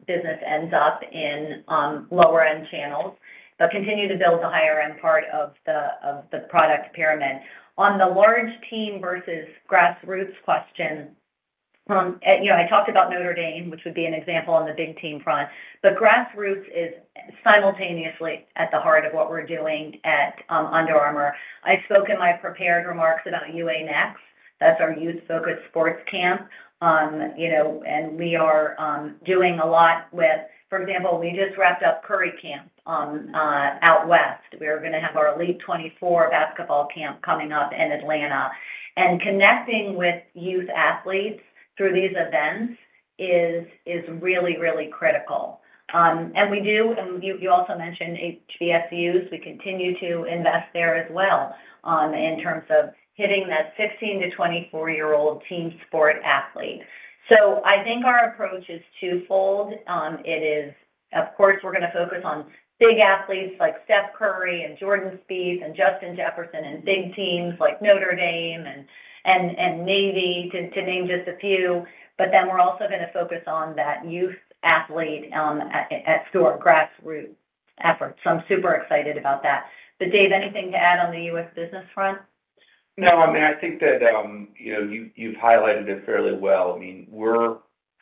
business ends up in lower end channels, but continue to build the higher end part of the product pyramid. On the large team versus grassroots question, you know, I talked about Notre Dame, which would be an example on the big team front, but grassroots is simultaneously at the heart of what we're doing at Under Armour. I spoke in my prepared remarks about UA Next. That's our youth-focused sports camp. You know, and we are doing a lot with... For example, we just wrapped up Curry Camp out west. We are gonna have our Elite 24 basketball camp coming up in Atlanta. Connecting with youth athletes through these events is, is really, really critical. We do, and you, you also mentioned HBCUs. We continue to invest there as well, in terms of hitting that 16-24-year-old team sport athlete. I think our approach is twofold. It is, of course, we're gonna focus on big athletes like Steph Curry and Jordan Spieth and Justin Jefferson, and big teams like Notre Dame and Navy, to name just a few. We're also gonna focus on that youth athlete, at school, our grassroots effort. I'm super excited about that. Dave, anything to add on the U.S. business front? I mean, I think that, you know, you've, you've highlighted it fairly well. I mean, we're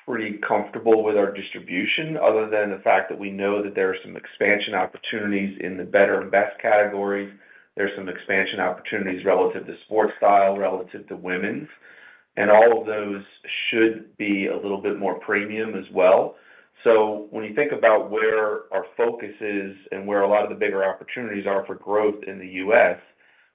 pretty comfortable with our distribution other than the fact that we know that there are some expansion opportunities in the better and best categories. There's some expansion opportunities relative to Sportstyle, relative to Women's, and all of those should be a little bit more premium as well. When you think about where our focus is and where a lot of the bigger opportunities are for growth in the U.S.,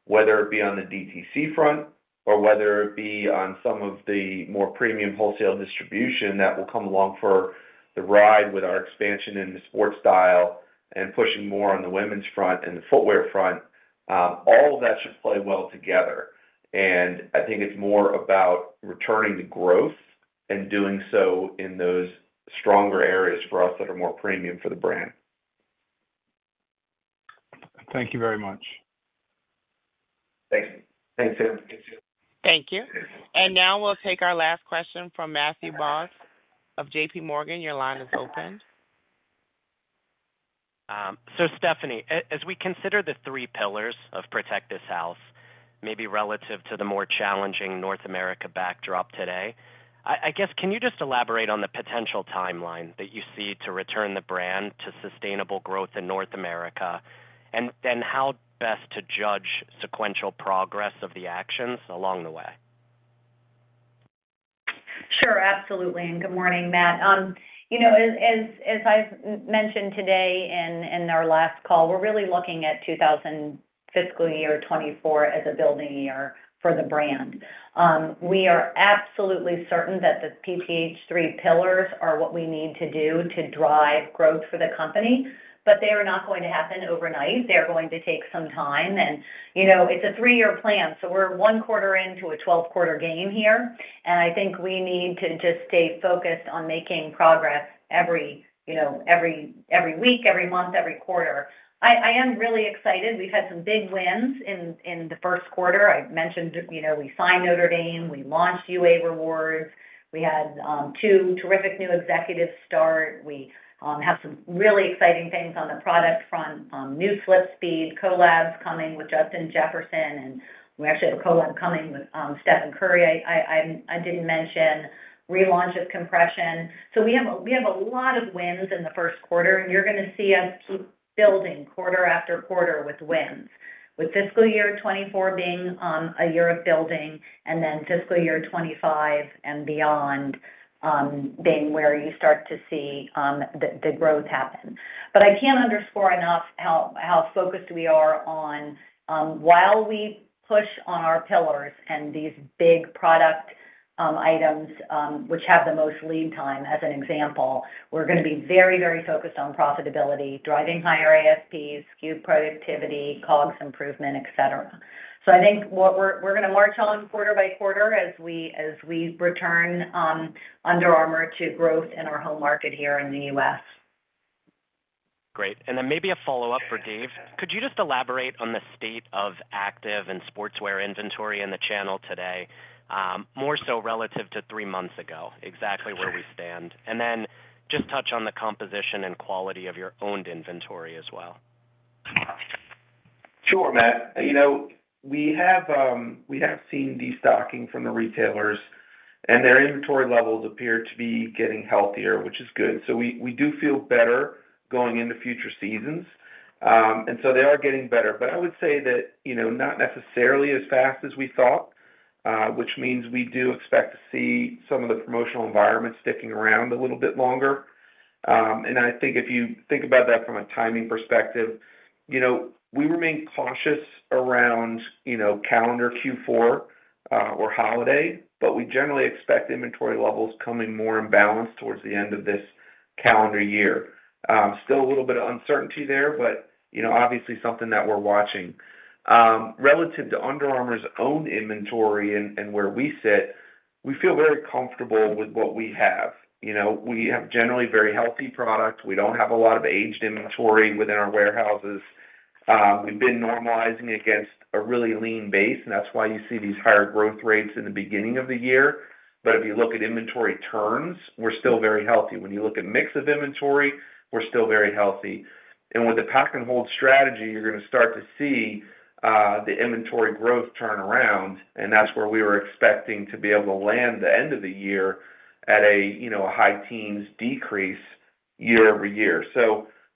whether it be on the DTC front or whether it be on some of the more premium wholesale distribution that will come along for the ride with our expansion in the Sportstyle and pushing more on the women's front and the footwear front, all of that should play well together. I think it's more about returning to growth and doing so in those stronger areas for us that are more premium for the brand. Thank you very much. Thanks. Thanks, David. Thank you. Now we'll take our last question from Matthew Boss of JPMorgan. Your line is open. Stephanie, as we consider the three pillars of Protect This House, maybe relative to the more challenging North America backdrop today, I guess, can you just elaborate on the potential timeline that you see to return the brand to sustainable growth in North America? How best to judge sequential progress of the actions along the way? Sure, absolutely. Good morning, Matthew. As I've mentioned today in our last call, we're really looking at fiscal year 2024 as a building year for the brand. We are absolutely certain that the PTH3 pillars are what we need to do to drive growth for the company, but they are not going to happen overnight. They're going to take some time and, you know, it's a three-year plan, so we're one quarter into a 12-quarter game here, and I think we need to just stay focused on making progress every week, every month, every quarter. I am really excited. We've had some big wins in the first quarter. I've mentioned, you know, we signed Notre Dame, we launched UA Rewards. We had two terrific new executives start. We have some really exciting things on the product front, new SlipSpeed, collabs coming with Justin Jefferson, and we actually have a collab coming with Stephen Curry. I didn't mention relaunch of Compression. We have a lot of wins in the first quarter, and you're gonna see us keep building quarter after quarter with wins. With fiscal year 2024 being a year of building and then fiscal year 2025 and beyond, being where you start to see the growth happen. I can't underscore enough how focused we are on while we push on our pillars and these big product items, which have the most lead time, as an example, we're gonna be very, very focused on profitability, driving higher ASPs, SKU productivity, COGS improvement, et cetera. I think what we're, we're gonna march on quarter by quarter as we, as we return, Under Armour to growth in our home market here in the U.S. Great. Then maybe a follow-up for Dave. Could you just elaborate on the state of active and sportswear inventory in the channel today, more so relative to three months ago, exactly where we stand? And then just touch on the composition and quality of your owned inventory as well. Sure, Matt. You know, we have, we have seen destocking from the retailers, and their inventory levels appear to be getting healthier, which is good. We, we do feel better going into future seasons. They are getting better, but I would say that, you know, not necessarily as fast as we thought, which means we do expect to see some of the promotional environment sticking around a little bit longer. I think if you think about that from a timing perspective, you know, we remain cautious around, you know, calendar Q4, or holiday, but we generally expect inventory levels coming more in balance towards the end of this calendar year. Still a little bit of uncertainty there, but, you know, obviously, something that we're watching. Relative to Under Armour's own inventory and, and where we sit, we feel very comfortable with what we have. You know, we have generally very healthy product. We don't have a lot of aged inventory within our warehouses. We've been normalizing against a really lean base, and that's why you see these higher growth rates in the beginning of the year. If you look at inventory turns, we're still very healthy. When you look at mix of inventory, we're still very healthy. With the pack and hold strategy, you're gonna start to see the inventory growth turn around, and that's where we were expecting to be able to land the end of the year at a, you know, high-teens decrease year-over-year.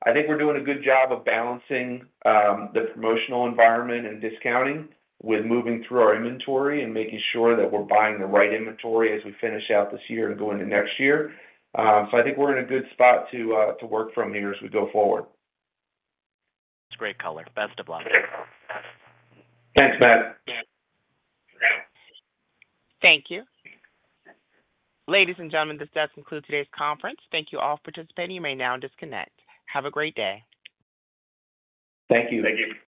I think we're doing a good job of balancing, the promotional environment and discounting with moving through our inventory and making sure that we're buying the right inventory as we finish out this year and go into next year. I think we're in a good spot to work from here as we go forward. It's great color. Best of luck. Thanks, Matt. Thank you. Ladies and gentlemen, this does conclude today's conference. Thank you all for participating. You may now disconnect. Have a great day. Thank you. Thank you.